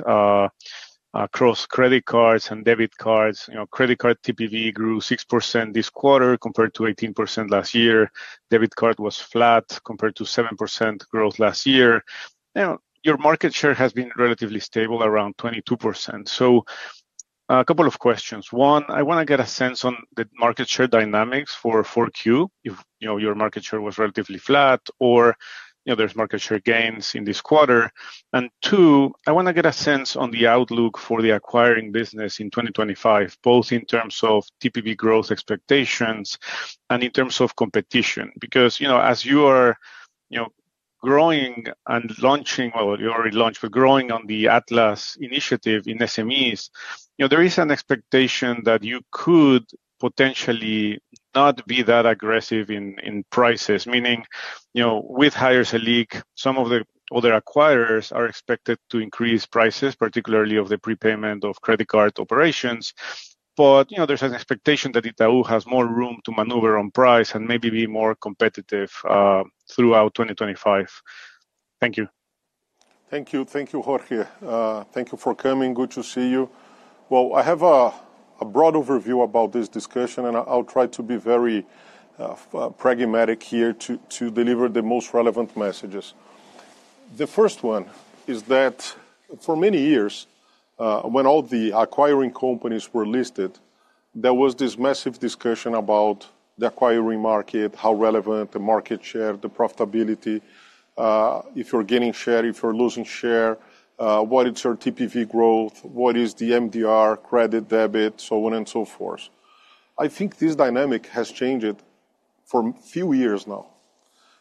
across credit cards and debit cards. Credit card TPV grew 6% this quarter compared to 18% last year. Debit card was flat compared to 7% growth last year. Your market share has been relatively stable, around 22%. So a couple of questions. One, I want to get a sense on the market share dynamics for 4Q, if your market share was relatively flat or there's market share gains in this quarter. And two, I want to get a sense on the outlook for the acquiring business in 2025, both in terms of TPV growth expectations and in terms of competition. Because as you are growing and launching, well, you already launched, but growing on the Atlas initiative in SMEs, there is an expectation that you could potentially not be that aggressive in prices, meaning with higher Selic, some of the other acquirers are expected to increase prices, particularly of the prepayment of credit card operations. But there's an expectation that Itaú has more room to maneuver on price and maybe be more competitive throughout 2025. Thank you. Thank you. Thank you, Jorge. Thank you for coming. Good to see you. Well, I have a broad overview about this discussion, and I'll try to be very pragmatic here to deliver the most relevant messages. The first one is that for many years, when all the acquiring companies were listed, there was this massive discussion about the acquiring market, how relevant the market share, the profitability, if you're gaining share, if you're losing share, what is your TPV growth, what is the MDR, credit, debit, so on and so forth. I think this dynamic has changed for a few years now.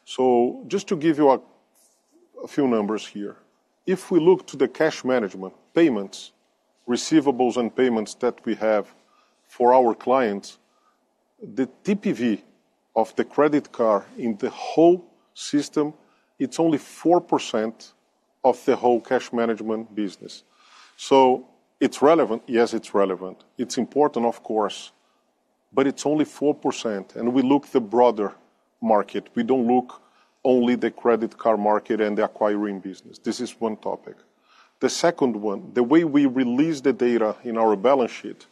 So just to give you a few numbers here, if we look to the cash management, payments, receivables, and payments that we have for our clients, the TPV of the credit card in the whole system, it's only 4% of the whole cash management business. So it's relevant. Yes, it's relevant. It's important, of course, but it's only 4%, and we look at the broader market. We don't look only at the credit card market and the acquiring business. This is one topic. The second one, the way we release the data in our balance sheet,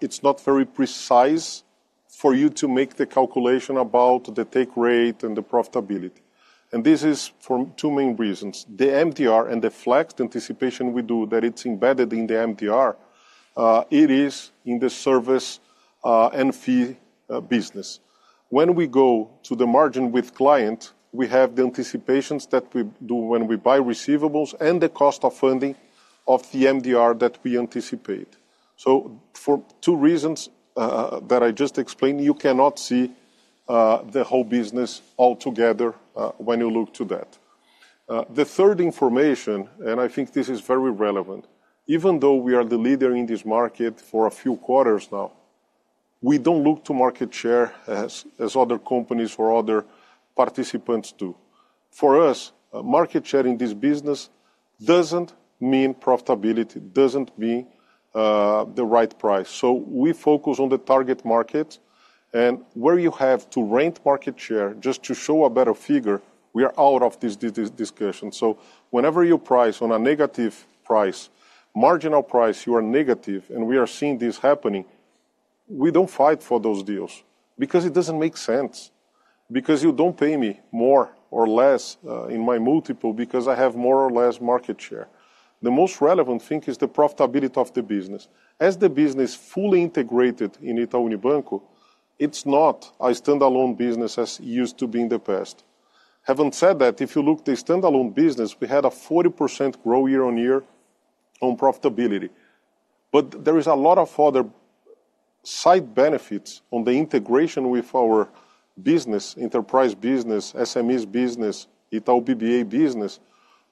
it's not very precise for you to make the calculation about the take rate and the profitability. And this is for two main reasons. The MDR and the flex anticipation we do that it's embedded in the MDR, it is in the service and fee business. When we go to the margin with client, we have the anticipations that we do when we buy receivables and the cost of funding of the MDR that we anticipate. So for two reasons that I just explained, you cannot see the whole business altogether when you look to that. The third information, and I think this is very relevant, even though we are the leader in this market for a few quarters now, we don't look to market share as other companies or other participants do. For us, market share in this business doesn't mean profitability, doesn't mean the right price, so we focus on the target market, and where you have to rent market share just to show a better figure, we are out of this discussion, so whenever you price on a negative price, marginal price, you are negative, and we are seeing this happening, we don't fight for those deals because it doesn't make sense. Because you don't pay me more or less in my multiple because I have more or less market share. The most relevant thing is the profitability of the business. As the business is fully integrated in Itaú Unibanco, it's not a standalone business as it used to be in the past. Having said that, if you look at the standalone business, we had a 40% growth year on year on profitability. But there are a lot of other side benefits on the integration with our business, enterprise business, SMEs business, Itaú BBA business.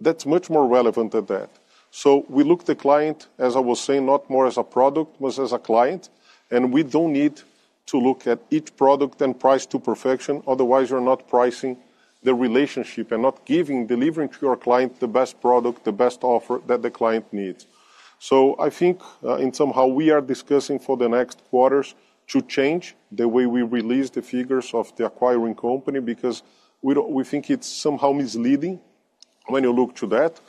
That's much more relevant than that, so we look at the client, as I was saying, not more as a product but as a client, and we don't need to look at each product and price to perfection. Otherwise, you're not pricing the relationship and not delivering to your client the best product, the best offer that the client needs, so I think in somehow we are discussing for the next quarters to change the way we release the figures of the acquiring company because we think it's somehow misleading when you look to that,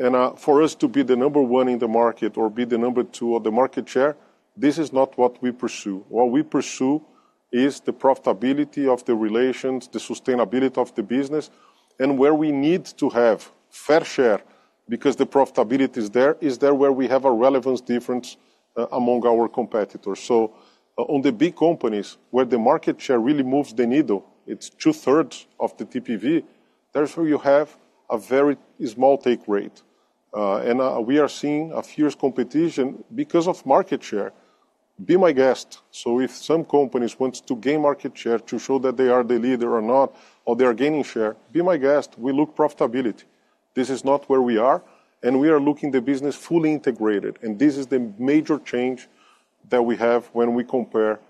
and for us to be the number one in the market or be the number two on the market share, this is not what we pursue. What we pursue is the profitability of the relations, the sustainability of the business, and where we need to have fair share because the profitability is there, is there where we have a relevance difference among our competitors. So on the big companies where the market share really moves the needle, it's two-thirds of the TPV. Therefore, you have a very small take rate. And we are seeing a fierce competition because of market share. Be my guest. So if some companies want to gain market share to show that they are the leader or not, or they are gaining share, be my guest. We look at profitability. This is not where we are. And we are looking at the business fully integrated. And this is the major change that we have when we compare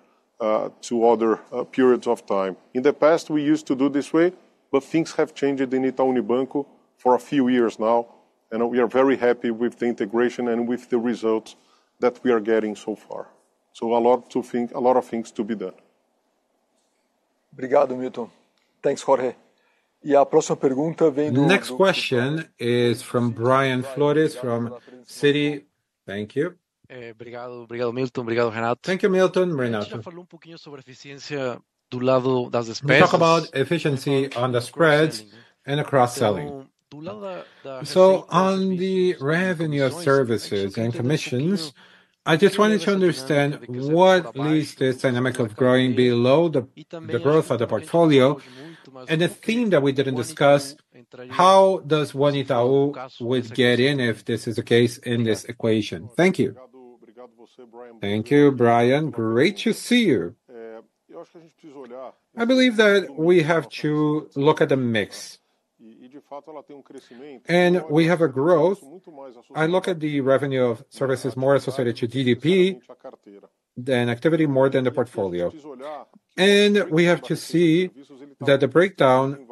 to other periods of time. In the past, we used to do this way, but things have changed in Itaú Unibanco for a few years now, and we are very happy with the integration and with the results that we are getting so far, so a lot of things to be done. Obrigado, Milton. Thanks, Jorge. E a próxima pergunta vem do. Next question is from Brian Flores from Citi. Thank you. Obrigado, Milton. Obrigado, Renato. Thank you, Milton. Morning all. A gente já falou pouquinho sobre a eficiência do lado das despesas. We talked about efficiency on the spreads and cross-selling, so on the revenue of services and commissions, I just wanted to understand what leads this dynamic of growing below the growth of the portfolio, and the theme that we didn't discuss, how does One Itaú get in if this is the case in this equation? Thank you. Thank you, Brian. Great to see you. I believe that we have to look at the mix. And we have a growth. I look at the revenue of services more associated to GDP than activity, more than the portfolio. And we have to see that the breakdown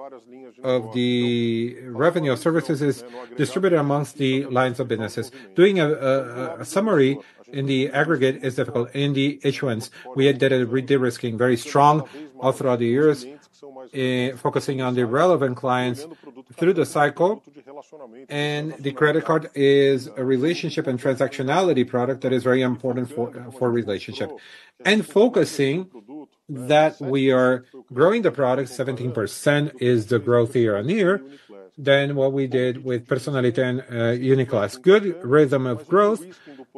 of the revenue of services is distributed among the lines of businesses. Doing a summary in the aggregate is difficult. In the issuance, we did a de-risking very strong all throughout the years, focusing on the relevant clients through the cycle. And the credit card is a relationship and transactionality product that is very important for relationship. And focusing that we are growing the product, 17% is the growth year on year than what we did with Personnalité and Uniclass. Good rhythm of growth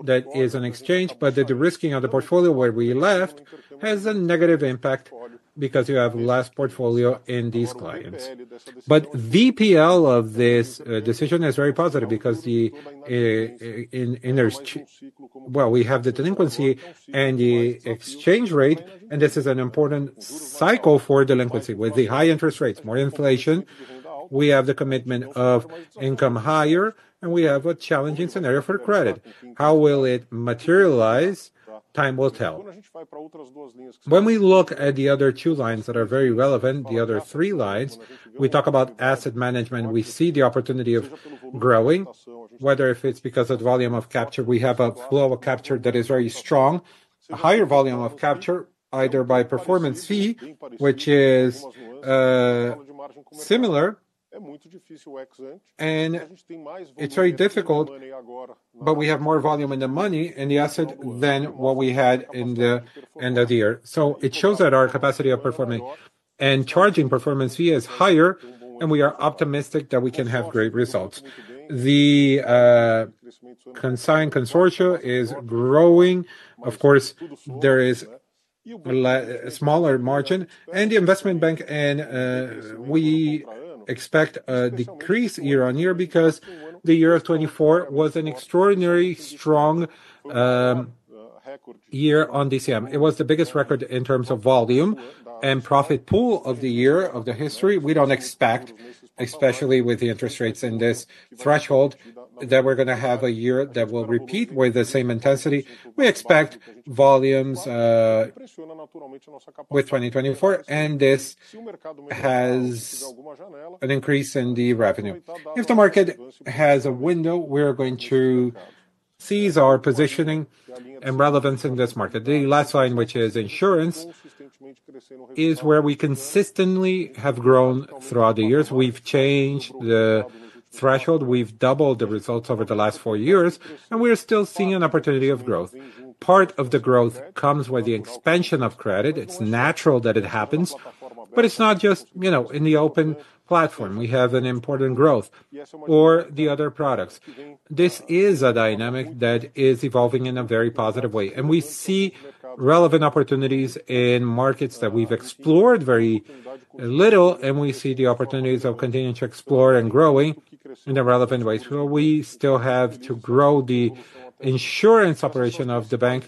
that is an exchange, but the de-risking of the portfolio where we left has a negative impact because you have less portfolio in these clients. But VPL of this decision is very positive because in there, well, we have the delinquency and the exchange rate, and this is an important cycle for delinquency with the high interest rates, more inflation. We have the commitment of income higher, and we have a challenging scenario for credit. How will it materialize? Time will tell. When we look at the other two lines that are very relevant, the other three lines, we talk about asset management. We see the opportunity of growing, whether if it's because of volume of capture. We have a flow of capture that is very strong, a higher volume of capture, either by performance fee, which is similar, and it's very difficult, but we have more volume in the money and the asset than what we had in the end of the year. So it shows that our capacity of performing and charging performance fee is higher, and we are optimistic that we can have great results. The consignado consortia is growing. Of course, there is a smaller margin, and the investment bank, and we expect a decrease year on year because the year 2024 was an extraordinarily strong year on DCM. It was the biggest record in terms of volume and profit pool of the year of the history. We don't expect, especially with the interest rates in this threshold, that we're going to have a year that will repeat with the same intensity. We expect volumes with 2024, and this has an increase in the revenue. If the market has a window, we are going to seize our positioning and relevance in this market. The last line, which is insurance, is where we consistently have grown throughout the years. We've changed the threshold. We've doubled the results over the last four years, and we're still seeing an opportunity of growth. Part of the growth comes with the expansion of credit. It's natural that it happens, but it's not just in the open platform. We have an important growth or the other products. This is a dynamic that is evolving in a very positive way, and we see relevant opportunities in markets that we've explored very little, and we see the opportunities of continuing to explore and growing in the relevant ways. We still have to grow the insurance operation of the bank,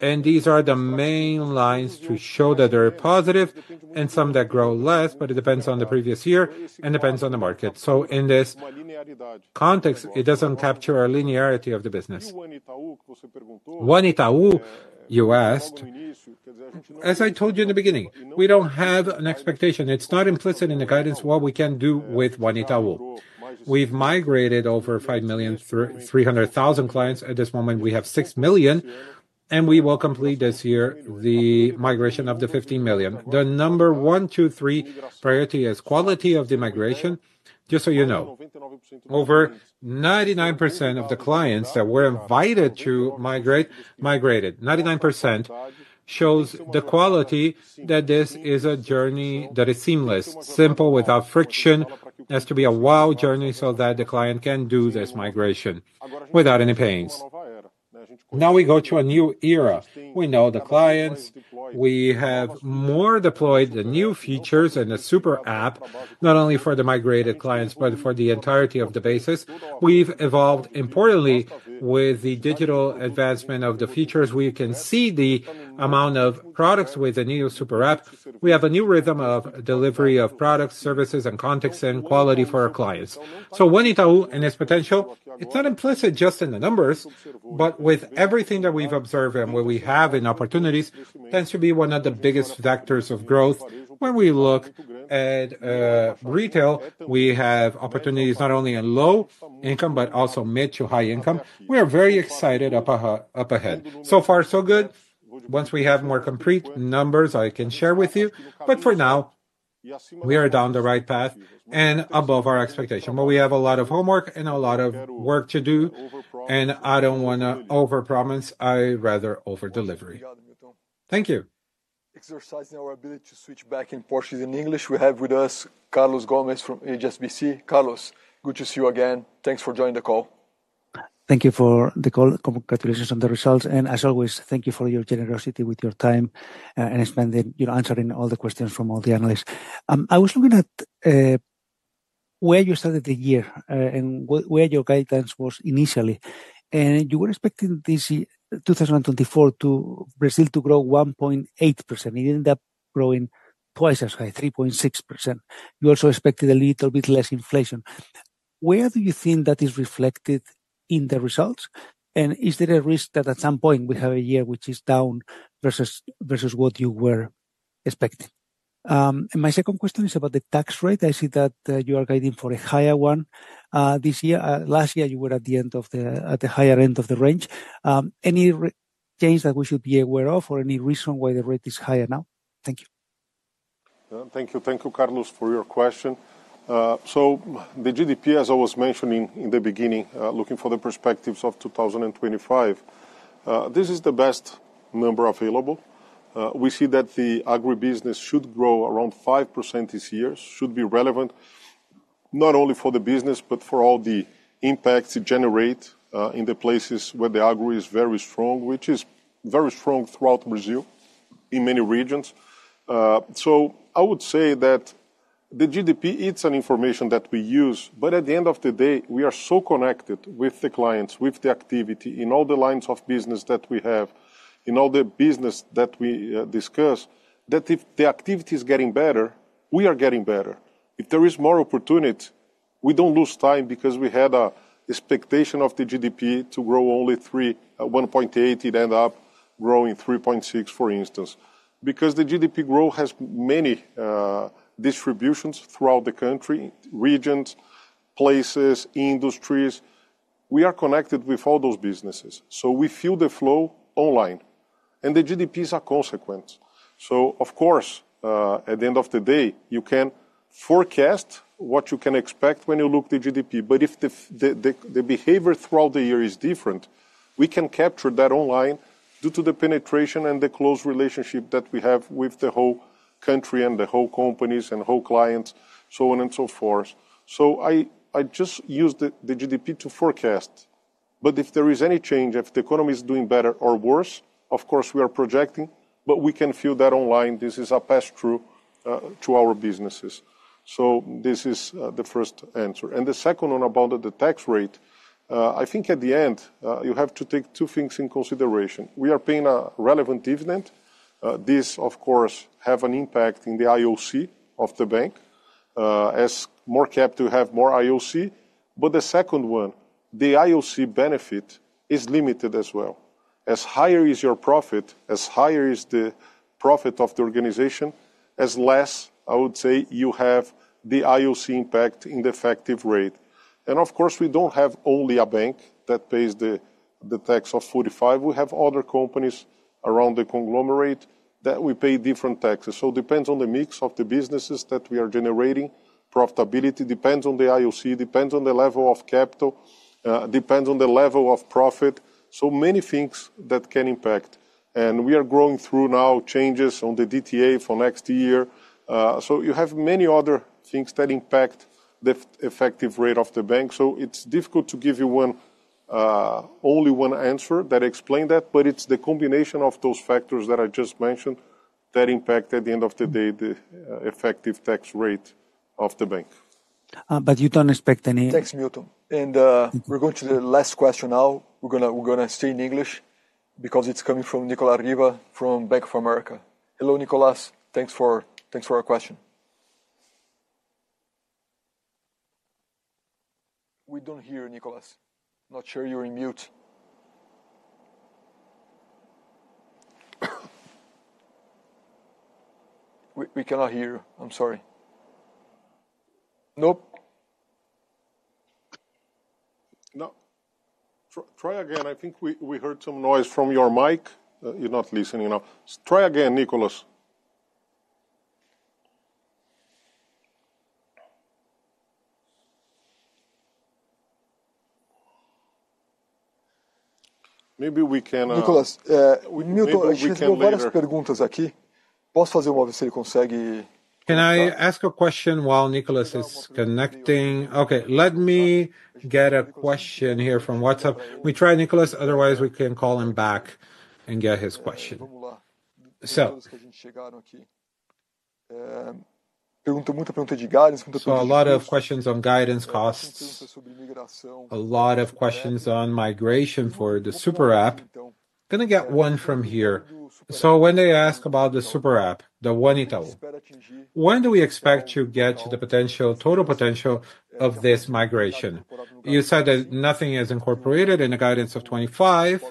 and these are the main lines to show that they're positive and some that grow less, but it depends on the previous year and depends on the market. So in this context, it doesn't capture a linearity of the business. One Itaú, you asked, as I told you in the beginning, we don't have an expectation. It's not implicit in the guidance what we can do with One Itaú. We've migrated over 5,300,000 clients. At this moment, we have 6 million, and we will complete this year the migration of the 15 million. The number one, two, three priority is quality of the migration. Just so you know, over 99% of the clients that were invited to migrate, migrated. 99% shows the quality that this is a journey that is seamless, simple, without friction, has to be a wow journey so that the client can do this migration without any pains. Now we go to a new era. We know the clients. We have more deployed the new features and the Super App, not only for the migrated clients, but for the entirety of the basis. We've evolved importantly with the digital advancement of the features. We can see the amount of products with the new Super App. We have a new rhythm of delivery of products, services, and contacts and quality for our clients. So One Itaú and its potential, it's not implicit just in the numbers, but with everything that we've observed and where we have in opportunities, tends to be one of the biggest vectors of growth. When we look at retail, we have opportunities not only in low income, but also mid to high income. We are very excited up ahead. So far, so good. Once we have more concrete numbers, I can share with you. But for now, we are down the right path and above our expectation. But we have a lot of homework and a lot of work to do, and I don't want to overpromise. I'd rather overdeliver. Thank you. Exercising our ability to switch back in Portuguese and English. We have with us Carlos Gomez-Lopez from HSBC. Carlos, good to see you again. Thanks for joining the call. Thank you for the call. Congratulations on the results. And as always, thank you for your generosity with your time and spending answering all the questions from all the analysts. I was looking at where you started the year and where your guidance was initially. And you were expecting 2024 for Brazil to grow 1.8%. It ended up growing twice as high, 3.6%. You also expected a little bit less inflation. Where do you think that is reflected in the results? And is there a risk that at some point we have a year which is down versus what you were expecting? And my second question is about the tax rate. I see that you are guiding for a higher one this year. Last year, you were at the higher end of the range. Any change that we should be aware of or any reason why the rate is higher now? Thank you. Thank you. Thank you, Carlos, for your question. So the GDP, as I was mentioning in the beginning, looking for the perspectives of 2025, this is the best number available. We see that the agribusiness should grow around 5% this year, should be relevant not only for the business, but for all the impacts it generates in the places where the agri is very strong, which is very strong throughout Brazil in many regions. So I would say that the GDP, it's an information that we use, but at the end of the day, we are so connected with the clients, with the activity in all the lines of business that we have, in all the business that we discuss that if the activity is getting better, we are getting better. If there is more opportunity, we don't lose time because we had an expectation of the GDP to grow only 1.8%. It ended up growing 3.6%, for instance. Because the GDP growth has many distributions throughout the country, regions, places, industries. We are connected with all those businesses. We feel the flow online. The GDPs are consequent. Of course, at the end of the day, you can forecast what you can expect when you look at the GDP. But if the behavior throughout the year is different, we can capture that online due to the penetration and the close relationship that we have with the whole country and the whole companies and whole clients, so on and so forth. I just use the GDP to forecast. But if there is any change, if the economy is doing better or worse, of course, we are projecting, but we can feel that online. This is a pass-through to our businesses. So this is the first answer. And the second one about the tax rate, I think at the end, you have to take two things in consideration. We are paying a relevant dividend. This, of course, has an impact in the IOC of the bank. As more cap, you have more IOC. But the second one, the IOC benefit is limited as well. As higher is your profit, as higher is the profit of the organization, as less, I would say, you have the IOC impact in the effective rate. And of course, we don't have only a bank that pays the tax of 45%. We have other companies around the conglomerate that we pay different taxes. So it depends on the mix of the businesses that we are generating. Profitability depends on the IOC, depends on the level of capital, depends on the level of profit. So many things that can impact. And we are going through now changes on the DTA for next year. So you have many other things that impact the effective rate of the bank. So it's difficult to give you only one answer that explains that, but it's the combination of those factors that I just mentioned that impact at the end of the day the effective tax rate of the bank. But you don't expect any. Thanks, Milton. And we're going to the last question now. We're going to stay in English because it's coming from Nicola Riva from Bank of America. Hello, Nicola. Thanks for your question. We don't hear you, Nicola. Not sure you're on mute. We cannot hear you. I'm sorry. Nope. No. Try again. I think we heard some noise from your mic. You're not listening now. Try again, Nicola. Maybe we can. Nicola, we have a lot of perguntas aqui. Posso fazer uma vez se ele consegue. Can I ask a question while Nicola is connecting? Okay. Let me get a question here from WhatsApp. We try, Nicola. Otherwise, we can call him back and get his question. So a lot of questions on guidance costs, a lot of questions on migration for the super app. I'm going to get one from here. So when they ask about the super app, the One Itaú, when do we expect to get to the potential, total potential of this migration? You said that nothing is incorporated in the guidance of '25,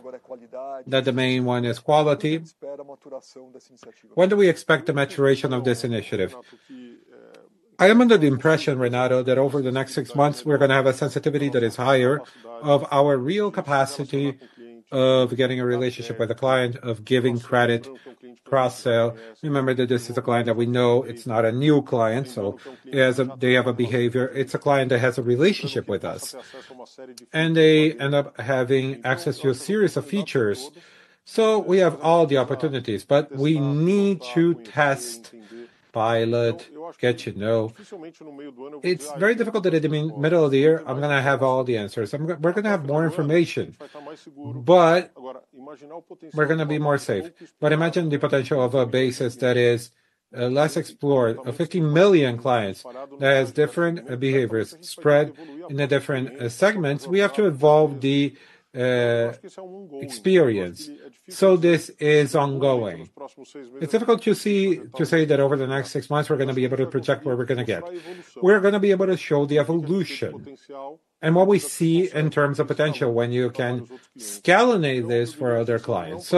that the main one is quality. When do we expect the maturation of this initiative? I am under the impression, Renato, that over the next six months, we're going to have a sensitivity that is higher of our real capacity of getting a relationship with a client, of giving credit cross-sale. Remember that this is a client that we know. It's not a new client. So they have a behavior. It's a client that has a relationship with us. And they end up having access to a series of features. So we have all the opportunities, but we need to test. Pilot, get to know. It's very difficult that at the middle of the year, I'm going to have all the answers. We're going to have more information, but we're going to be more safe. Imagine the potential of a basis that is less explored, 15 million clients that has different behaviors spread in the different segments. We have to evolve the experience. This is ongoing. It is difficult to say that over the next six months, we are going to be able to project where we are going to get. We are going to be able to show the evolution and what we see in terms of potential when you can scale this for other clients.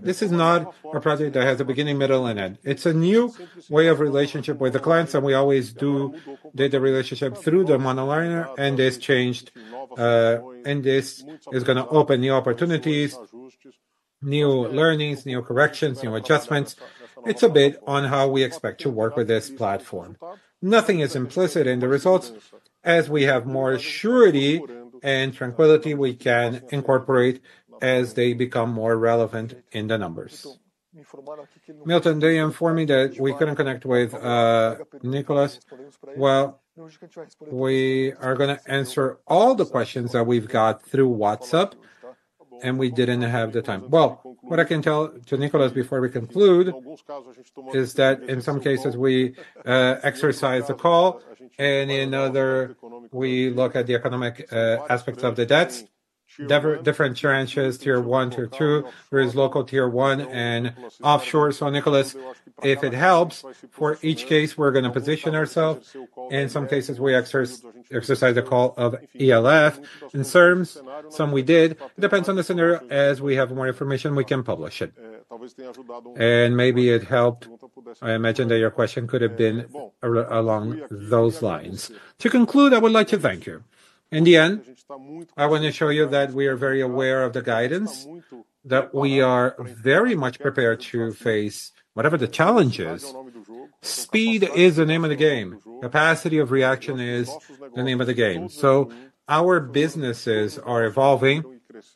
This is not a project that has a beginning, middle, and end. It is a new way of relationship with the clients. We always do data relationship through the monolinear. This changed, and this is going to open new opportunities, new learnings, new corrections, new adjustments. It is a bit on how we expect to work with this platform. Nothing is implicit in the results. As we have more surety and tranquility, we can incorporate as they become more relevant in the numbers. Milton, they informed me that we couldn't connect with Nicola. Well, we are going to answer all the questions that we've got through WhatsApp, and we didn't have the time. Well, what I can tell to Nicola before we conclude is that in some cases, we exercise the call, and in other, we look at the economic aspects of the debts, different tranches, tier one, tier two. There is local tier one and offshore. So Nicola, if it helps for each case, we're going to position ourselves. In some cases, we exercise the call of ELF and CERMS. Some we did. It depends on the scenario. As we have more information, we can publish it, and maybe it helped. I imagine that your question could have been along those lines. To conclude, I would like to thank you. In the end, I want to show you that we are very aware of the guidance, that we are very much prepared to face whatever the challenge is. Speed is the name of the game. Capacity of reaction is the name of the game. So our businesses are evolving.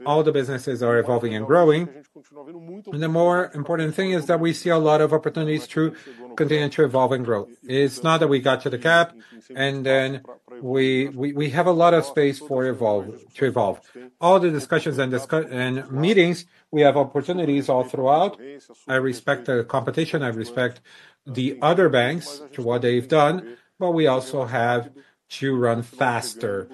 All the businesses are evolving and growing, and the more important thing is that we see a lot of opportunities to continue to evolve and grow. It's not that we got to the cap, and then we have a lot of space for to evolve. All the discussions and meetings, we have opportunities all throughout. I respect the competition. I respect the other banks to what they've done, but we also have to run faster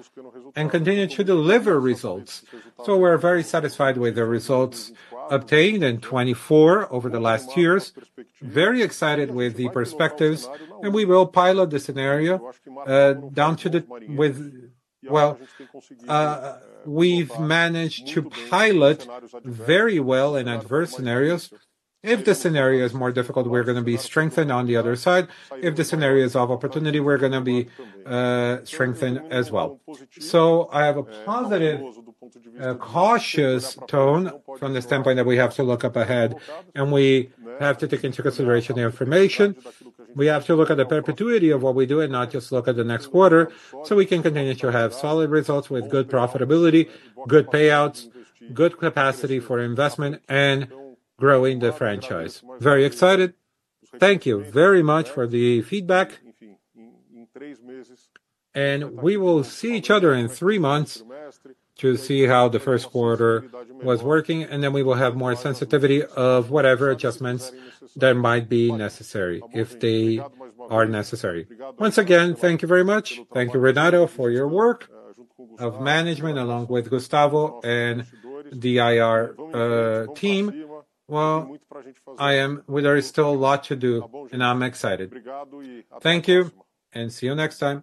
and continue to deliver results. We are very satisfied with the results obtained in 2024 over the last years. We are very excited with the perspectives, and we will pilot the scenario down to the. Well, we have managed to pilot very well in adverse scenarios. If the scenario is more difficult, we are going to be strengthened on the other side. If the scenario is of opportunity, we are going to be strengthened as well. So I have a positive, cautious tone from the standpoint that we have to look ahead, and we have to take into consideration the information. We have to look at the perpetuity of what we do and not just look at the next quarter so we can continue to have solid results with good profitability, good payouts, good capacity for investment, and growing the franchise. We are very excited. Thank you very much for the feedback. We will see each other in three months to see how the first quarter was working, and then we will have more sensitivity of whatever adjustments that might be necessary if they are necessary. Once again, thank you very much. Thank you, Renato, for your work of management along with Gustavo and the IR team. Well, I am, there is still a lot to do, and I'm excited. Thank you, and see you next time.